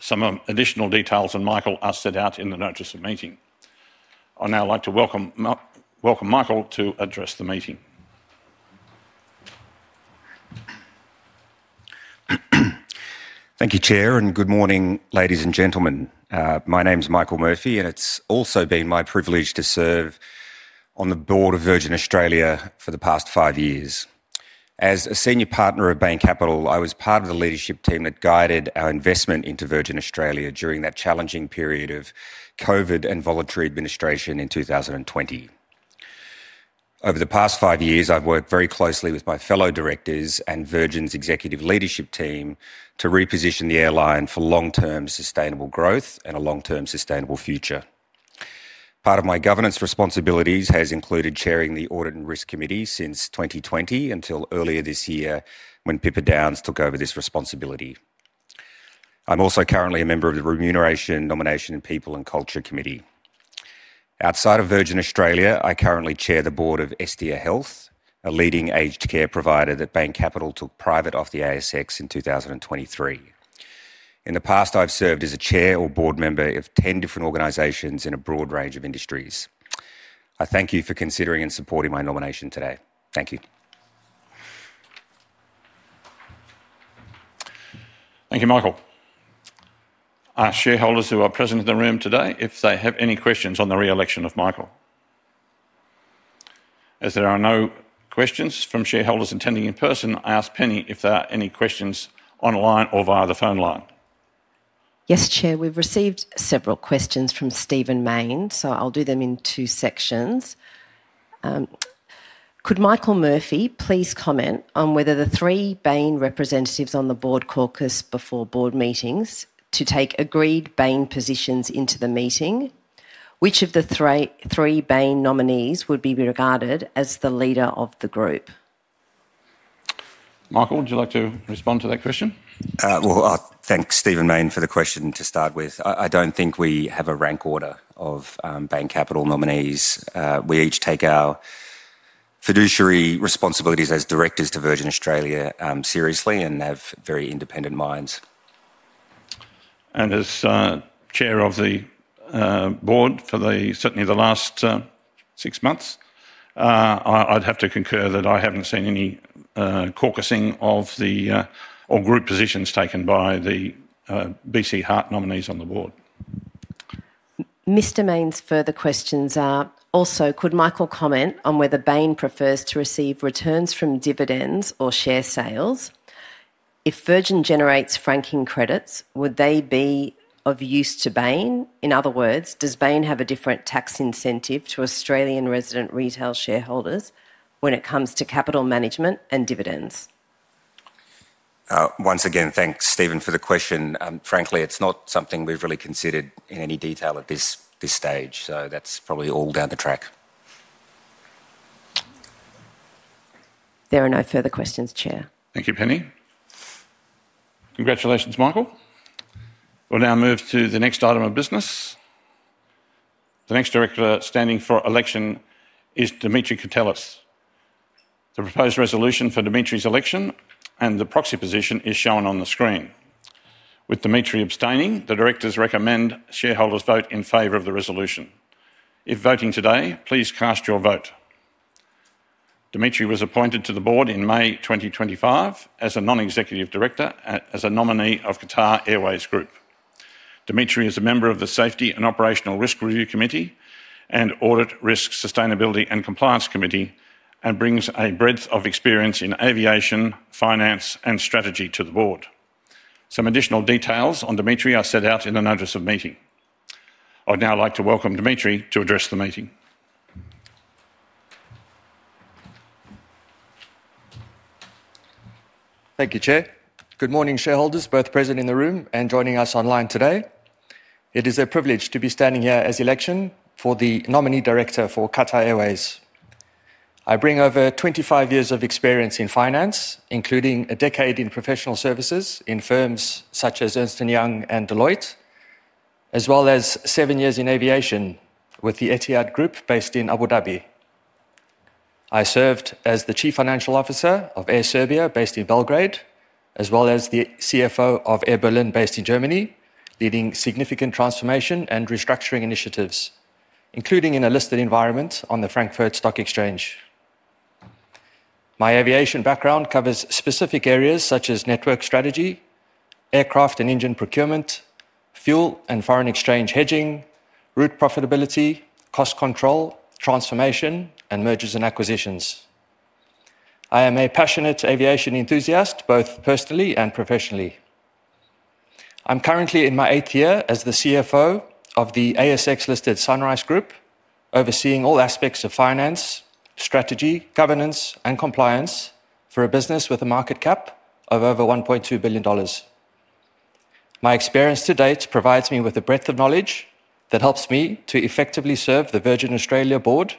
Speaker 1: Some additional details on Michael are set out in the notice of meeting. I'd now like to welcome Michael to address the Meeting.
Speaker 8: Thank you, Chair, and good morning, ladies and gentlemen. My name is Michael Murphy, and it's also been my privilege to serve on the Board of Virgin Australia for the past five years. As a Senior Partner of Bain Capital, I was part of the Leadership team that guided our investment into Virgin Australia during that challenging period of COVID and voluntary administration in 2020. Over the past five years, I've worked very closely with my fellow directors and Virgin's Executive Leadership team to reposition the airline for long-term sustainable growth and a long-term sustainable future. Part of my governance responsibilities has included chairing the Audit and Risk Committee since 2020 until earlier this year when Pippa Downes took over this responsibility. I'm also currently a Member of the Remuneration, Nomination, People, and Culture Committee. Outside of Virgin Australia, I currently chair the Board of SDA Health, a leading aged care provider that Bain Capital took private off the ASX in 2023. In the past, I've served as a Chair or Board Member of 10 different organizations in a broad range of industries. I thank you for considering and supporting my nomination today. Thank you.
Speaker 1: Thank you, Michael. Our shareholders who are present in the room today, if they have any questions on the re-election of Michael. As there are no questions from shareholders attending in person, I ask Penny if there are any questions online or via the phone line.
Speaker 3: Yes, Chair, we've received several questions from Stephen Mayne, so I'll do them in two sections. Could Michael Murphy please comment on whether the three Bain representatives on the Board caucus before Board Meetings to take agreed Bain positions into the Meeting, which of the three Bain nominees would be regarded as the leader of the group?
Speaker 1: Michael, would you like to respond to that question?
Speaker 8: Thank you, Stephen Mayne, for the question to start with. I do not think we have a rank order of Bain Capital nominees. We each take our fiduciary responsibilities as directors to Virgin Australia seriously and have very independent minds.
Speaker 1: As Chair of the Board for certainly the last six months, I'd have to concur that I haven't seen any caucusing of the or group positions taken by the BC Hart nominees on the board.
Speaker 3: Mr. Mayne's further questions are also, could Michael comment on whether Bain prefers to receive returns from dividends or share sales? If Virgin generates franking credits, would they be of use to Bain? In other words, does Bain have a different tax incentive to Australian resident retail shareholders when it comes to capital management and dividends?
Speaker 8: Once again, thanks, Stephen, for the question. Frankly, it's not something we've really considered in any detail at this stage, so that's probably all down the track.
Speaker 3: There are no further questions, Chair.
Speaker 1: Thank you, Penny. Congratulations, Michael. We'll now move to the next item of business. The next director standing for election is Dimitri Courtelis. The proposed resolution for Dimitri's election and the proxy position is shown on the screen. With Dimitri abstaining, the directors recommend shareholders vote in favor of the resolution. If voting today, please cast your vote. Dimitri was appointed to the Board in May 2025 as a Non-Executive Director as a nominee of Qatar Airways Group. Dimitri is a Member of the Safety and Operational Risk Review Committee and Audit, Risk, Sustainability and Compliance Committee and brings a breadth of experience in Aviation, Finance, and Strategy to the Board. Some additional details on Dimitri are set out in the notice of meeting. I'd now like to welcome Dimitri to address the meeting.
Speaker 9: Thank you, Chair. Good morning, shareholders, both present in the room and joining us online today. It is a privilege to be standing here as election for the Nominee Director for Qatar Airways. I bring over 25 years of experience in finance, including a decade in professional services in firms such as Ernst & Young and Deloitte, as well as seven years in aviation with the Etihad Group based in Abu Dhabi. I served as the Chief Financial Officer of Air Serbia based in Belgrade, as well as the CFO of Air Berlin based in Germany, leading significant transformation and restructuring initiatives, including in a listed environment on the Frankfurt Stock Exchange. My aviation background covers specific areas such as network strategy, aircraft and engine procurement, fuel and foreign exchange hedging, route profitability, cost control, transformation, and mergers and acquisitions. I am a passionate aviation enthusiast, both personally and professionally. I'm currently in my eighth year as the CFO of the ASX-listed SunRice Group, overseeing all aspects of finance, strategy, governance, and compliance for a business with a market cap of over 1.2 billion dollars. My experience to date provides me with a breadth of knowledge that helps me to effectively serve the Virgin Australia Board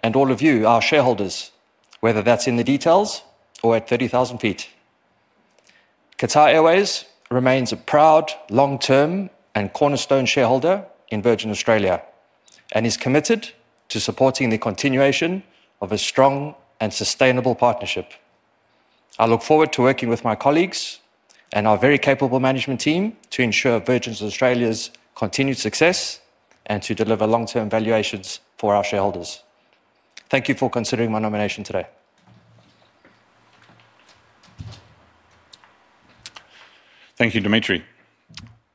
Speaker 9: and all of you, our shareholders, whether that's in the details or at 30,000 ft. Qatar Airways remains a proud long-term and cornerstone shareholder in Virgin Australia and is committed to supporting the continuation of a strong and sustainable partnership. I look forward to working with my colleagues and our very capable management team to ensure Virgin Australia's continued success and to deliver long-term valuations for our shareholders. Thank you for considering my nomination today.
Speaker 1: Thank you, Dimitri.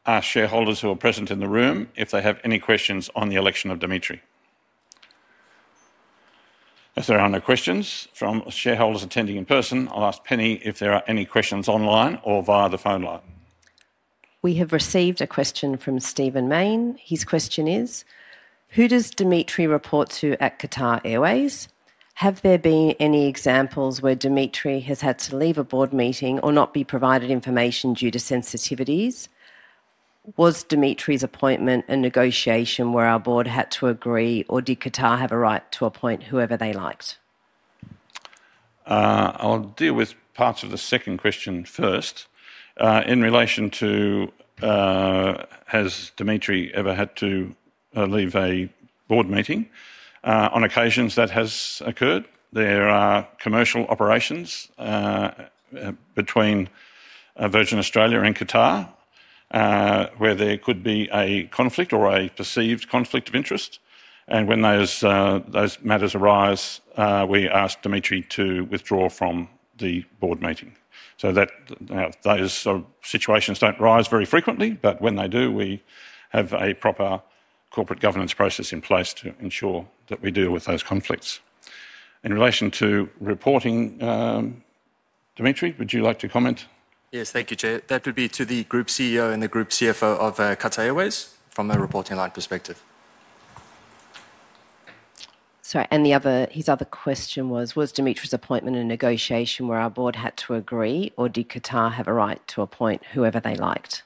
Speaker 1: Our shareholders who are present in the room, if they have any questions on the election of Dimitri. If there are no questions from shareholders attending in person, I'll ask Penny if there are any questions online or via the phone line.
Speaker 3: We have received a question from Stephen Mayne. His question is, who does Dimitri report to at Qatar Airways? Have there been any examples where Dimitri has had to leave a Board Meeting or not be provided information due to sensitivities? Was Dimitri's appointment a negotiation where our board had to agree, or did Qatar have a right to appoint whoever they liked?
Speaker 1: I'll deal with parts of the second question first. In relation to has Dimitri ever had to leave a Board Meeting? On occasions, that has occurred. There are commercial operations between Virgin Australia and Qatar where there could be a conflict or a perceived conflict of interest. When those matters arise, we ask Dimitri to withdraw from the Board Meeting. Those situations do not arise very frequently, but when they do, we have a proper corporate governance process in place to ensure that we deal with those conflicts. In relation to reporting, Dimitri, would you like to comment?
Speaker 9: Yes, thank you, Chair. That would be to the group CEO and the group CFO of Qatar Airways from a reporting line perspective.
Speaker 3: Sorry, and his other question was, was Dimitri's appointment a negotiation where our Board had to agree, or did Qatar have a right to appoint whoever they liked?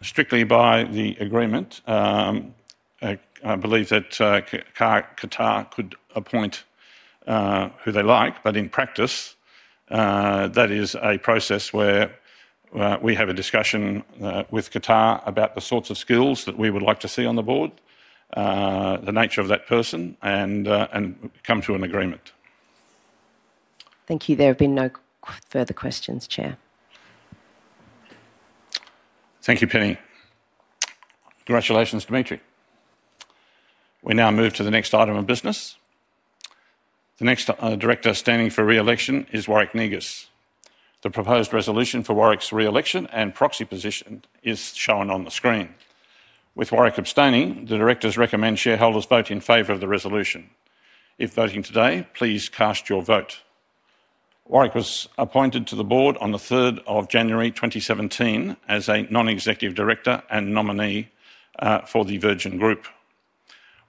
Speaker 1: Strictly by the agreement. I believe that Qatar could appoint who they like, but in practice, that is a process where we have a discussion with Qatar about the sorts of skills that we would like to see on the Board, the nature of that person, and come to an agreement.
Speaker 3: Thank you. There have been no further questions, Chair.
Speaker 1: Thank you, Penny. Congratulations, Dimitri. We now move to the next item of business. The next director standing for re-election is Warwick Negus. The proposed resolution for Warwick's re-election and proxy position is shown on the screen. With Warwick abstaining, the directors recommend shareholders vote in favor of the resolution. If voting today, please cast your vote. Warwick was appointed to the Board on the 3rd of January 2017 as a Non-Executive Director and nominee for the Virgin Group.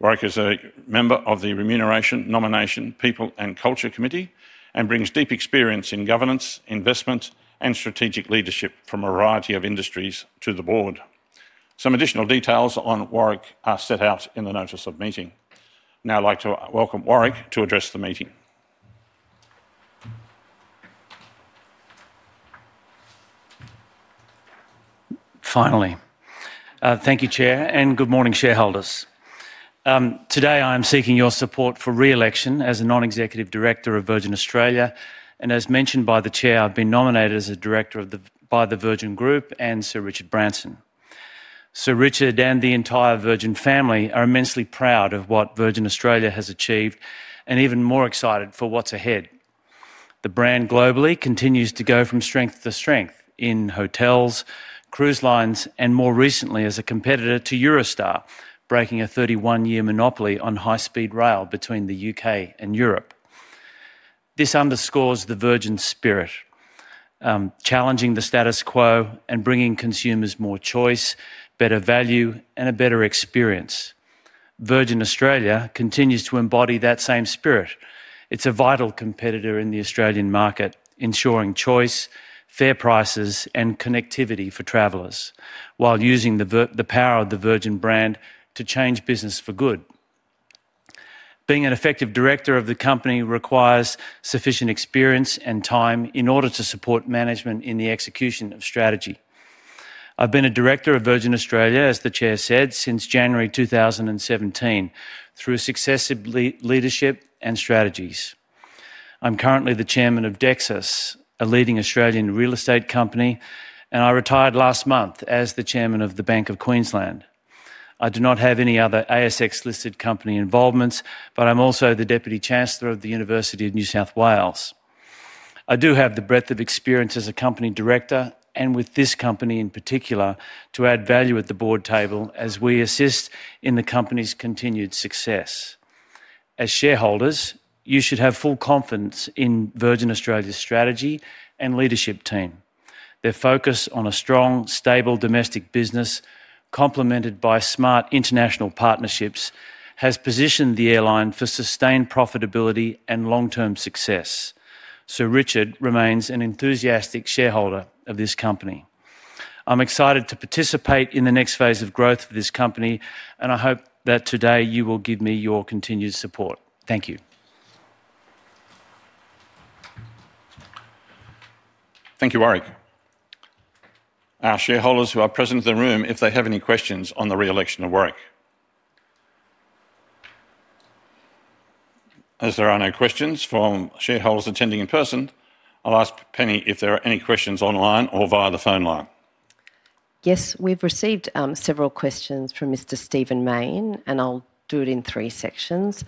Speaker 1: Warwick is a Member of the Remuneration, Nomination, People, and Culture Committee and brings deep experience in governance, investment, and strategic leadership from a variety of industries to the board. Some additional details on Warwick are set out in the notice of meeting. Now I'd like to welcome Warwick to address the meeting.
Speaker 10: Finally, thank you, Chair, and good morning, shareholders. Today, I am seeking your support for re-election as a Non-Executive Director of Virgin Australia, and as mentioned by the Chair, I've been nominated as a Director by the Virgin Group and Sir Richard Branson. Sir Richard and the entire Virgin family are immensely proud of what Virgin Australia has achieved and even more excited for what's ahead. The brand globally continues to go from strength to strength in hotels, cruise lines, and more recently, as a competitor to Eurostar, breaking a 31-year monopoly on high-speed rail between the U.K. and Europe. This underscores the Virgin spirit, challenging the status quo and bringing consumers more choice, better value, and a better experience. Virgin Australia continues to embody that same spirit. It's a vital competitor in the Australian market, ensuring choice, fair prices, and connectivity for travellers, while using the power of the Virgin brand to change business for good. Being an effective director of the company requires sufficient experience and time in order to support management in the execution of strategy. I've been a Director of Virgin Australia, as the Chair said, since January 2017, through successive leadership and strategies. I'm currently the Chairman of Dexus, a leading Australian real estate company, and I retired last month as the Chairman of the Bank of Queensland. I do not have any other ASX-listed company involvements, but I'm also the Deputy Chancellor of the University of New South Wales. I do have the breadth of experience as a Company Director and with this company in particular to add value at the Board table as we assist in the company's continued success. As shareholders, you should have full confidence in Virgin Australia's Strategy and Leadership team. Their focus on a strong, stable domestic business, complemented by smart international partnerships, has positioned the airline for sustained profitability and long-term success. Sir Richard remains an enthusiastic shareholder of this company. I'm excited to participate in the next phase of growth of this company, and I hope that today you will give me your continued support. Thank you.
Speaker 1: Thank you, Warwick. Our shareholders who are present in the room, if they have any questions on the re-election of Warwick. As there are no questions from shareholders attending in person, I'll ask Penny if there are any questions online or via the phone line.
Speaker 3: Yes, we've received several questions from Mr. Stephen Mayne, and I'll do it in three sections.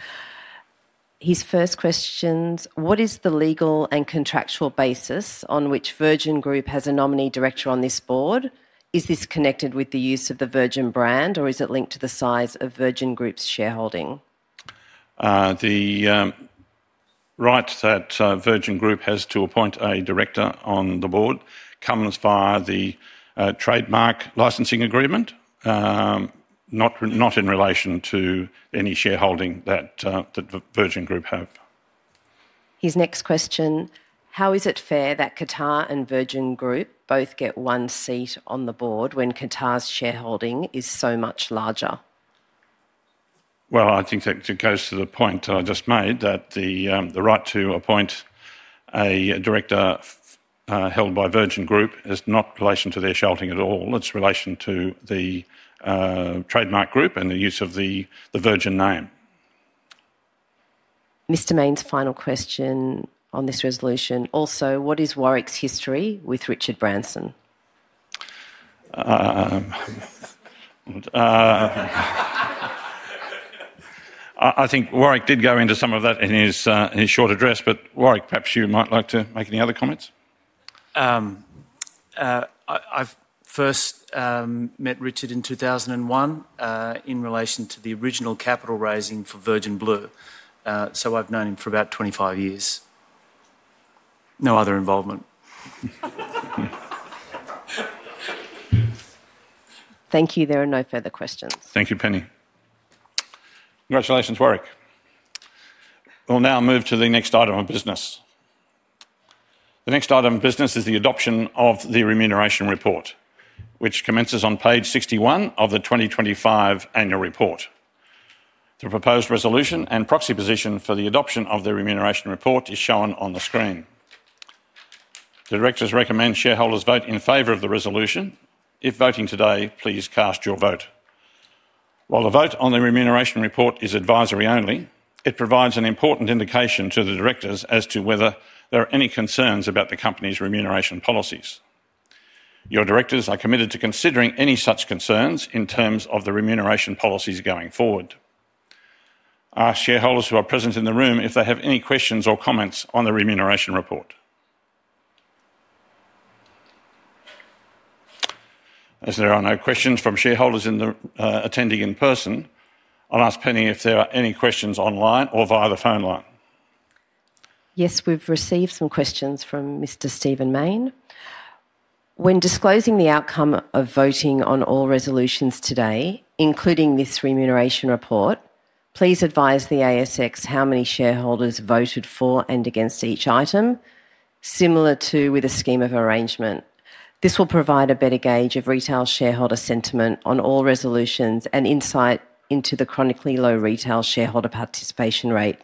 Speaker 3: His first questions, what is the legal and contractual basis on which Virgin Group has a nominee director on this Board? Is this connected with the use of the Virgin brand, or is it linked to the size of Virgin Group's shareholding?
Speaker 1: The right that Virgin Group has to appoint a Director on the Board comes via the trademark licensing agreement, not in relation to any shareholding that the Virgin Group have.
Speaker 3: His next question, how is it fair that Qatar and Virgin Group both get one seat on the Board when Qatar's shareholding is so much larger?
Speaker 1: I think that goes to the point that I just made, that the right to appoint a Director held by Virgin Group is not in relation to their shareholding at all. It's in relation to the trademark group and the use of the Virgin name.
Speaker 3: Mr. Mayne's final question on this resolution, also, what is Warwick's history with Richard Branson?
Speaker 1: I think Warwick did go into some of that in his short address, but Warwick, perhaps you might like to make any other comments?
Speaker 10: I first met Richard in 2001 in relation to the original capital raising for Virgin Blue, so I've known him for about 25 years.
Speaker 1: No other involvement.
Speaker 3: Thank you. There are no further questions.
Speaker 1: Thank you, Penny. Congratulations, Warwick. We'll now move to the next item of business. The next item of business is the adoption of the Remuneration Report, which commences on page 61 of the 2025 Annual Report. The proposed resolution and proxy position for the adoption of the Remuneration Report is shown on the screen. The directors recommend shareholders vote in favor of the resolution. If voting today, please cast your vote. While the vote on the Remuneration Report is advisory only, it provides an important indication to the directors as to whether there are any concerns about the company's remuneration policies. Your directors are committed to considering any such concerns in terms of the remuneration policies going forward. Our shareholders who are present in the room, if they have any questions or comments on the Remuneration Report. As there are no questions from shareholders attending in person, I'll ask Penny if there are any questions online or via the phone line.
Speaker 3: Yes, we've received some questions from Mr. Stephen Mayne. When disclosing the outcome of voting on all resolutions today, including this Remuneration Report, please advise the ASX how many shareholders voted for and against each item, similar to with a scheme of arrangement. This will provide a better gauge of retail shareholder sentiment on all resolutions and insight into the chronically low retail shareholder participation rate.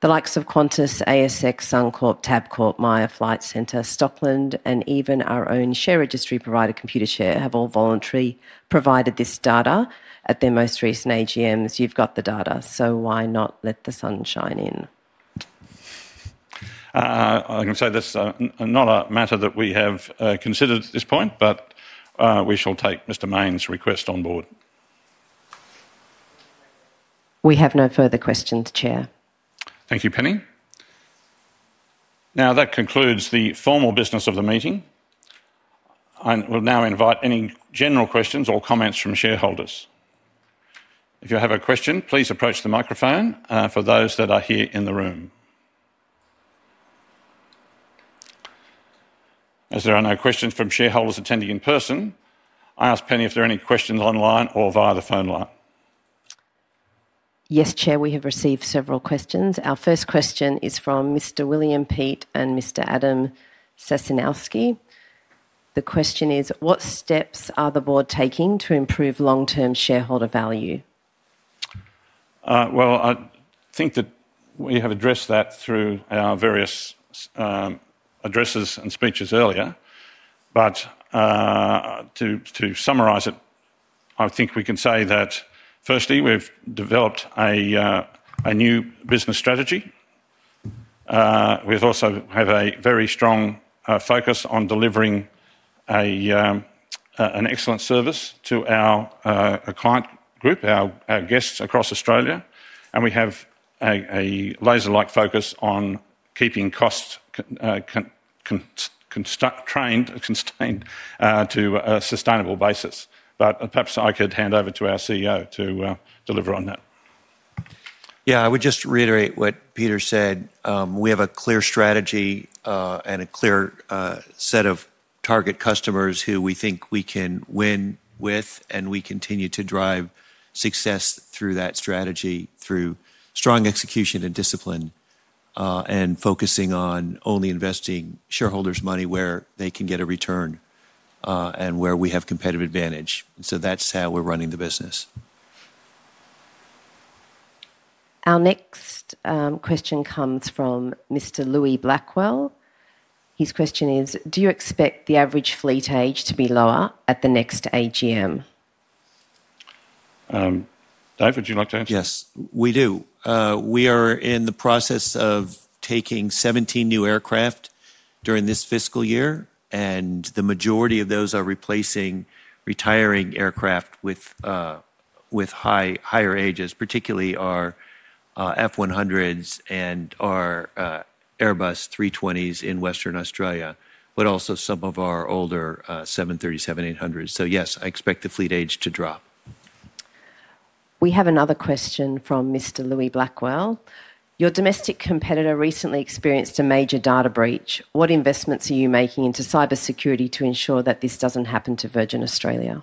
Speaker 3: The likes of Qantas, ASX, Suncorp, Tabcorp, Myer, Flight Centre, Stockland, and even our own share registry provider, Computershare, have all voluntarily provided this data at their most recent AGMs. You've got the data, so why not let the sun shine in?
Speaker 1: I can say this is not a matter that we have considered at this point, but we shall take Mr. Mayne's request on Board.
Speaker 3: We have no further questions, Chair.
Speaker 1: Thank you, Penny. Now that concludes the formal business of the Meeting. I will now invite any general questions or comments from shareholders. If you have a question, please approach the microphone for those that are here in the room. As there are no questions from shareholders attending in person, I ask Penny if there are any questions online or via the phone line.
Speaker 3: Yes, Chair, we have received several questions. Our first question is from Mr. William Pete and Mr. Adam Sasinowski. The question is, what steps are the Board taking to improve long-term shareholder value?
Speaker 1: I think that we have addressed that through our various addresses and speeches earlier, but to summarize it, I think we can say that, firstly, we've developed a new business strategy. We also have a very strong focus on delivering an excellent service to our client group, our guests across Australia, and we have a laser-like focus on keeping costs constrained to a sustainable basis. Perhaps I could hand over to our CEO to deliver on that.
Speaker 2: Yeah, I would just reiterate what Peter said. We have a clear strategy and a clear set of target customers who we think we can win with, and we continue to drive success through that strategy, through strong execution and discipline, focusing on only investing shareholders' money where they can get a return and where we have competitive advantage. That is how we are running the business.
Speaker 3: Our next question comes from Mr. Louis Blackwell. His question is, do you expect the average fleet age to be lower at the next AGM?
Speaker 1: David, would you like to answer?
Speaker 2: Yes, we do. We are in the process of taking 17 new aircraft during this fiscal year, and the majority of those are replacing retiring aircraft with higher ages, particularly our F-100s and our Airbus 320s in Western Australia, but also some of our older 737-800s. Yes, I expect the fleet age to drop.
Speaker 3: We have another question from Mr. Louis Blackwell. Your domestic competitor recently experienced a major data breach. What investments are you making into cybersecurity to ensure that this doesn't happen to Virgin Australia?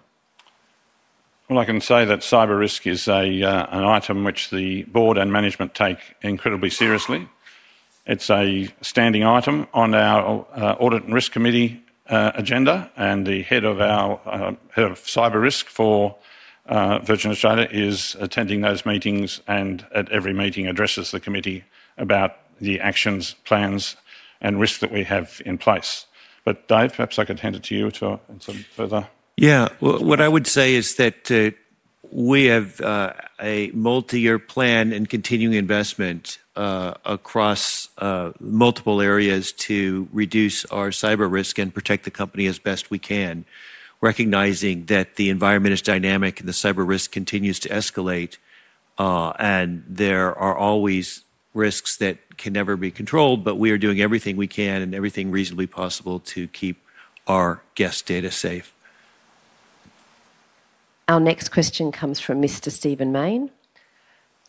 Speaker 1: I can say that cyber risk is an item which the board and management take incredibly seriously. It is a standing item on our audit and risk committee agenda, and the head of cyber risk for Virgin Australia is attending those meetings and at every meeting addresses the committee about the actions, plans, and risks that we have in place. Dave, perhaps I could hand it to you to answer further.
Speaker 2: Yeah, what I would say is that we have a multi-year plan and continuing investment across multiple areas to reduce our cyber risk and protect the company as best we can, recognizing that the environment is dynamic and the cyber risk continues to escalate, and there are always risks that can never be controlled, but we are doing everything we can and everything reasonably possible to keep our guest data safe.
Speaker 3: Our next question comes from Mr. Stephen Mayne.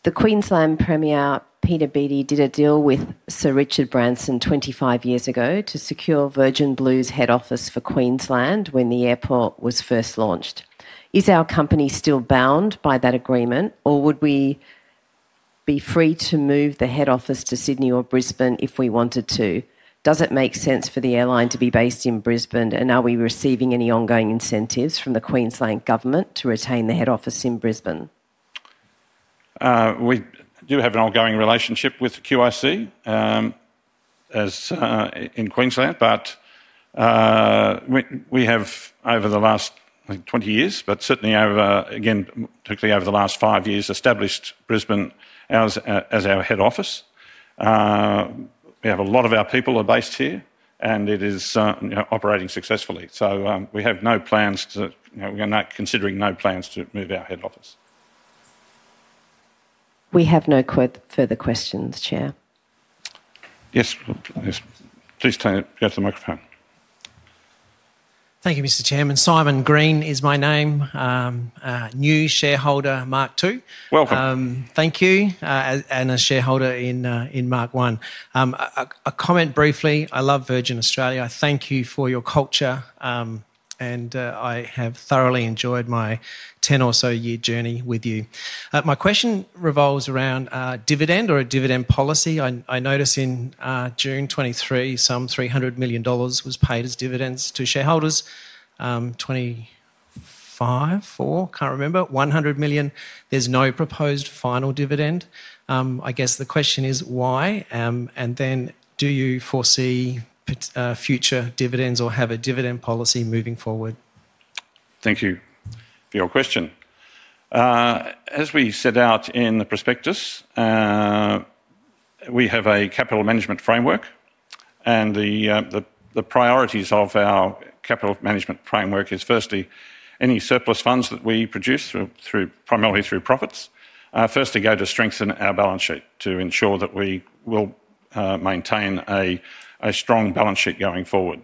Speaker 3: The Queensland Premier, Peter Beattie, did a deal with Sir Richard Branson 25 years ago to secure Virgin Blue's head office for Queensland when the airport was first launched. Is our company still bound by that agreement, or would we be free to move the head office to Sydney or Brisbane if we wanted to? Does it make sense for the airline to be based in Brisbane, and are we receiving any ongoing incentives from the Queensland government to retain the head office in Brisbane?
Speaker 1: We do have an ongoing relationship with QIC in Queensland, but we have, over the last 20 years, but certainly over, again, particularly over the last five years, established Brisbane as our head office. We have a lot of our people are based here, and it is operating successfully. We have no plans to, we are now considering no plans to move our head office.
Speaker 3: We have no further questions, Chair.
Speaker 1: Yes, please go to the microphone.
Speaker 11: Thank you, Mr. Chairman. Simon Green is my name. New shareholder, Mark II.
Speaker 1: Welcome.
Speaker 11: Thank you. A shareholder, Mark I. A comment briefly, I love Virgin Australia. I thank you for your culture, and I have thoroughly enjoyed my 10 or so year journey with you. My question revolves around dividend or a dividend policy. I notice in June 2023, some 300 million dollars was paid as dividends to shareholders, 25million, 4 million, can't remember, 100 million. There is no proposed final dividend. I guess the question is why, and then do you foresee future dividends or have a dividend policy moving forward?
Speaker 1: Thank you for your question. As we set out in the prospectus, we have a capital management framework, and the priorities of our capital management framework is firstly, any surplus funds that we produce through, primarily through profits, firstly go to strengthen our balance sheet to ensure that we will maintain a strong balance sheet going forward.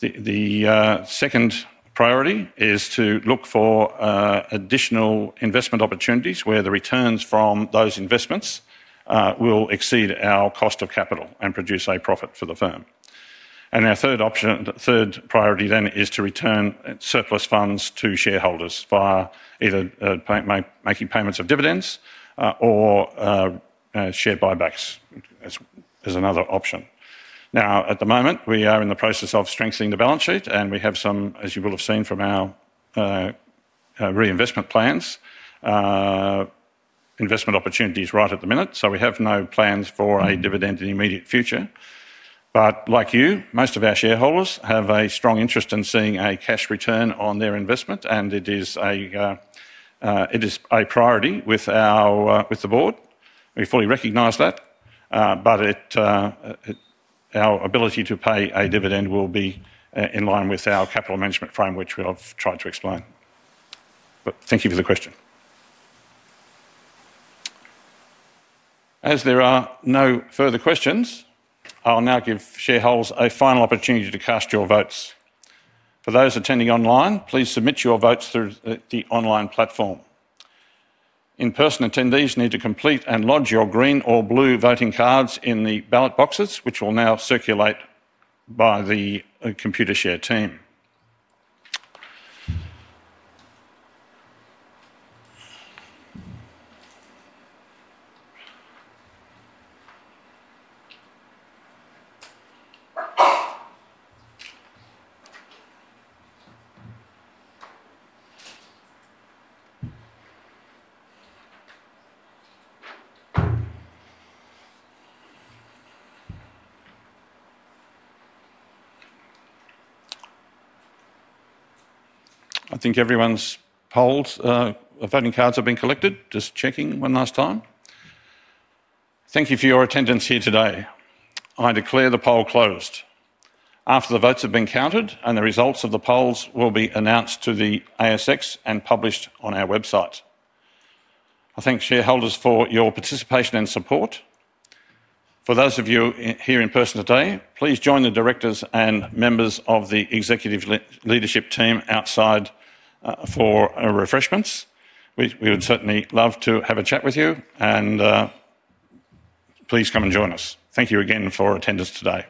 Speaker 1: The second priority is to look for additional investment opportunities where the returns from those investments will exceed our cost of capital and produce a profit for the firm. Our third option, third priority then is to return surplus funds to shareholders via either making payments of dividends or share buybacks as another option. Now, at the moment, we are in the process of strengthening the balance sheet, and we have some, as you will have seen from our reinvestment plans, investment opportunities right at the minute, so we have no plans for a dividend in the immediate future. Like you, most of our shareholders have a strong interest in seeing a cash return on their investment, and it is a priority with the Board. We fully recognize that, but our ability to pay a dividend will be in line with our capital management frame, which we will try to explain. Thank you for the question. As there are no further questions, I will now give shareholders a final opportunity to cast your votes. For those attending online, please submit your votes through the online platform. In-person attendees need to complete and lodge your green or blue voting cards in the ballot boxes, which will now circulate by the Computershare team. I think everyone's polls of voting cards have been collected. Just checking one last time. Thank you for your attendance here today. I declare the poll closed. After the votes have been counted, the results of the polls will be announced to the ASX and published on our website. I thank shareholders for your participation and support. For those of you here in person today, please join the directors and members of the executive leadership team outside for refreshments. We would certainly love to have a chat with you, and please come and join us. Thank you again for attendance today.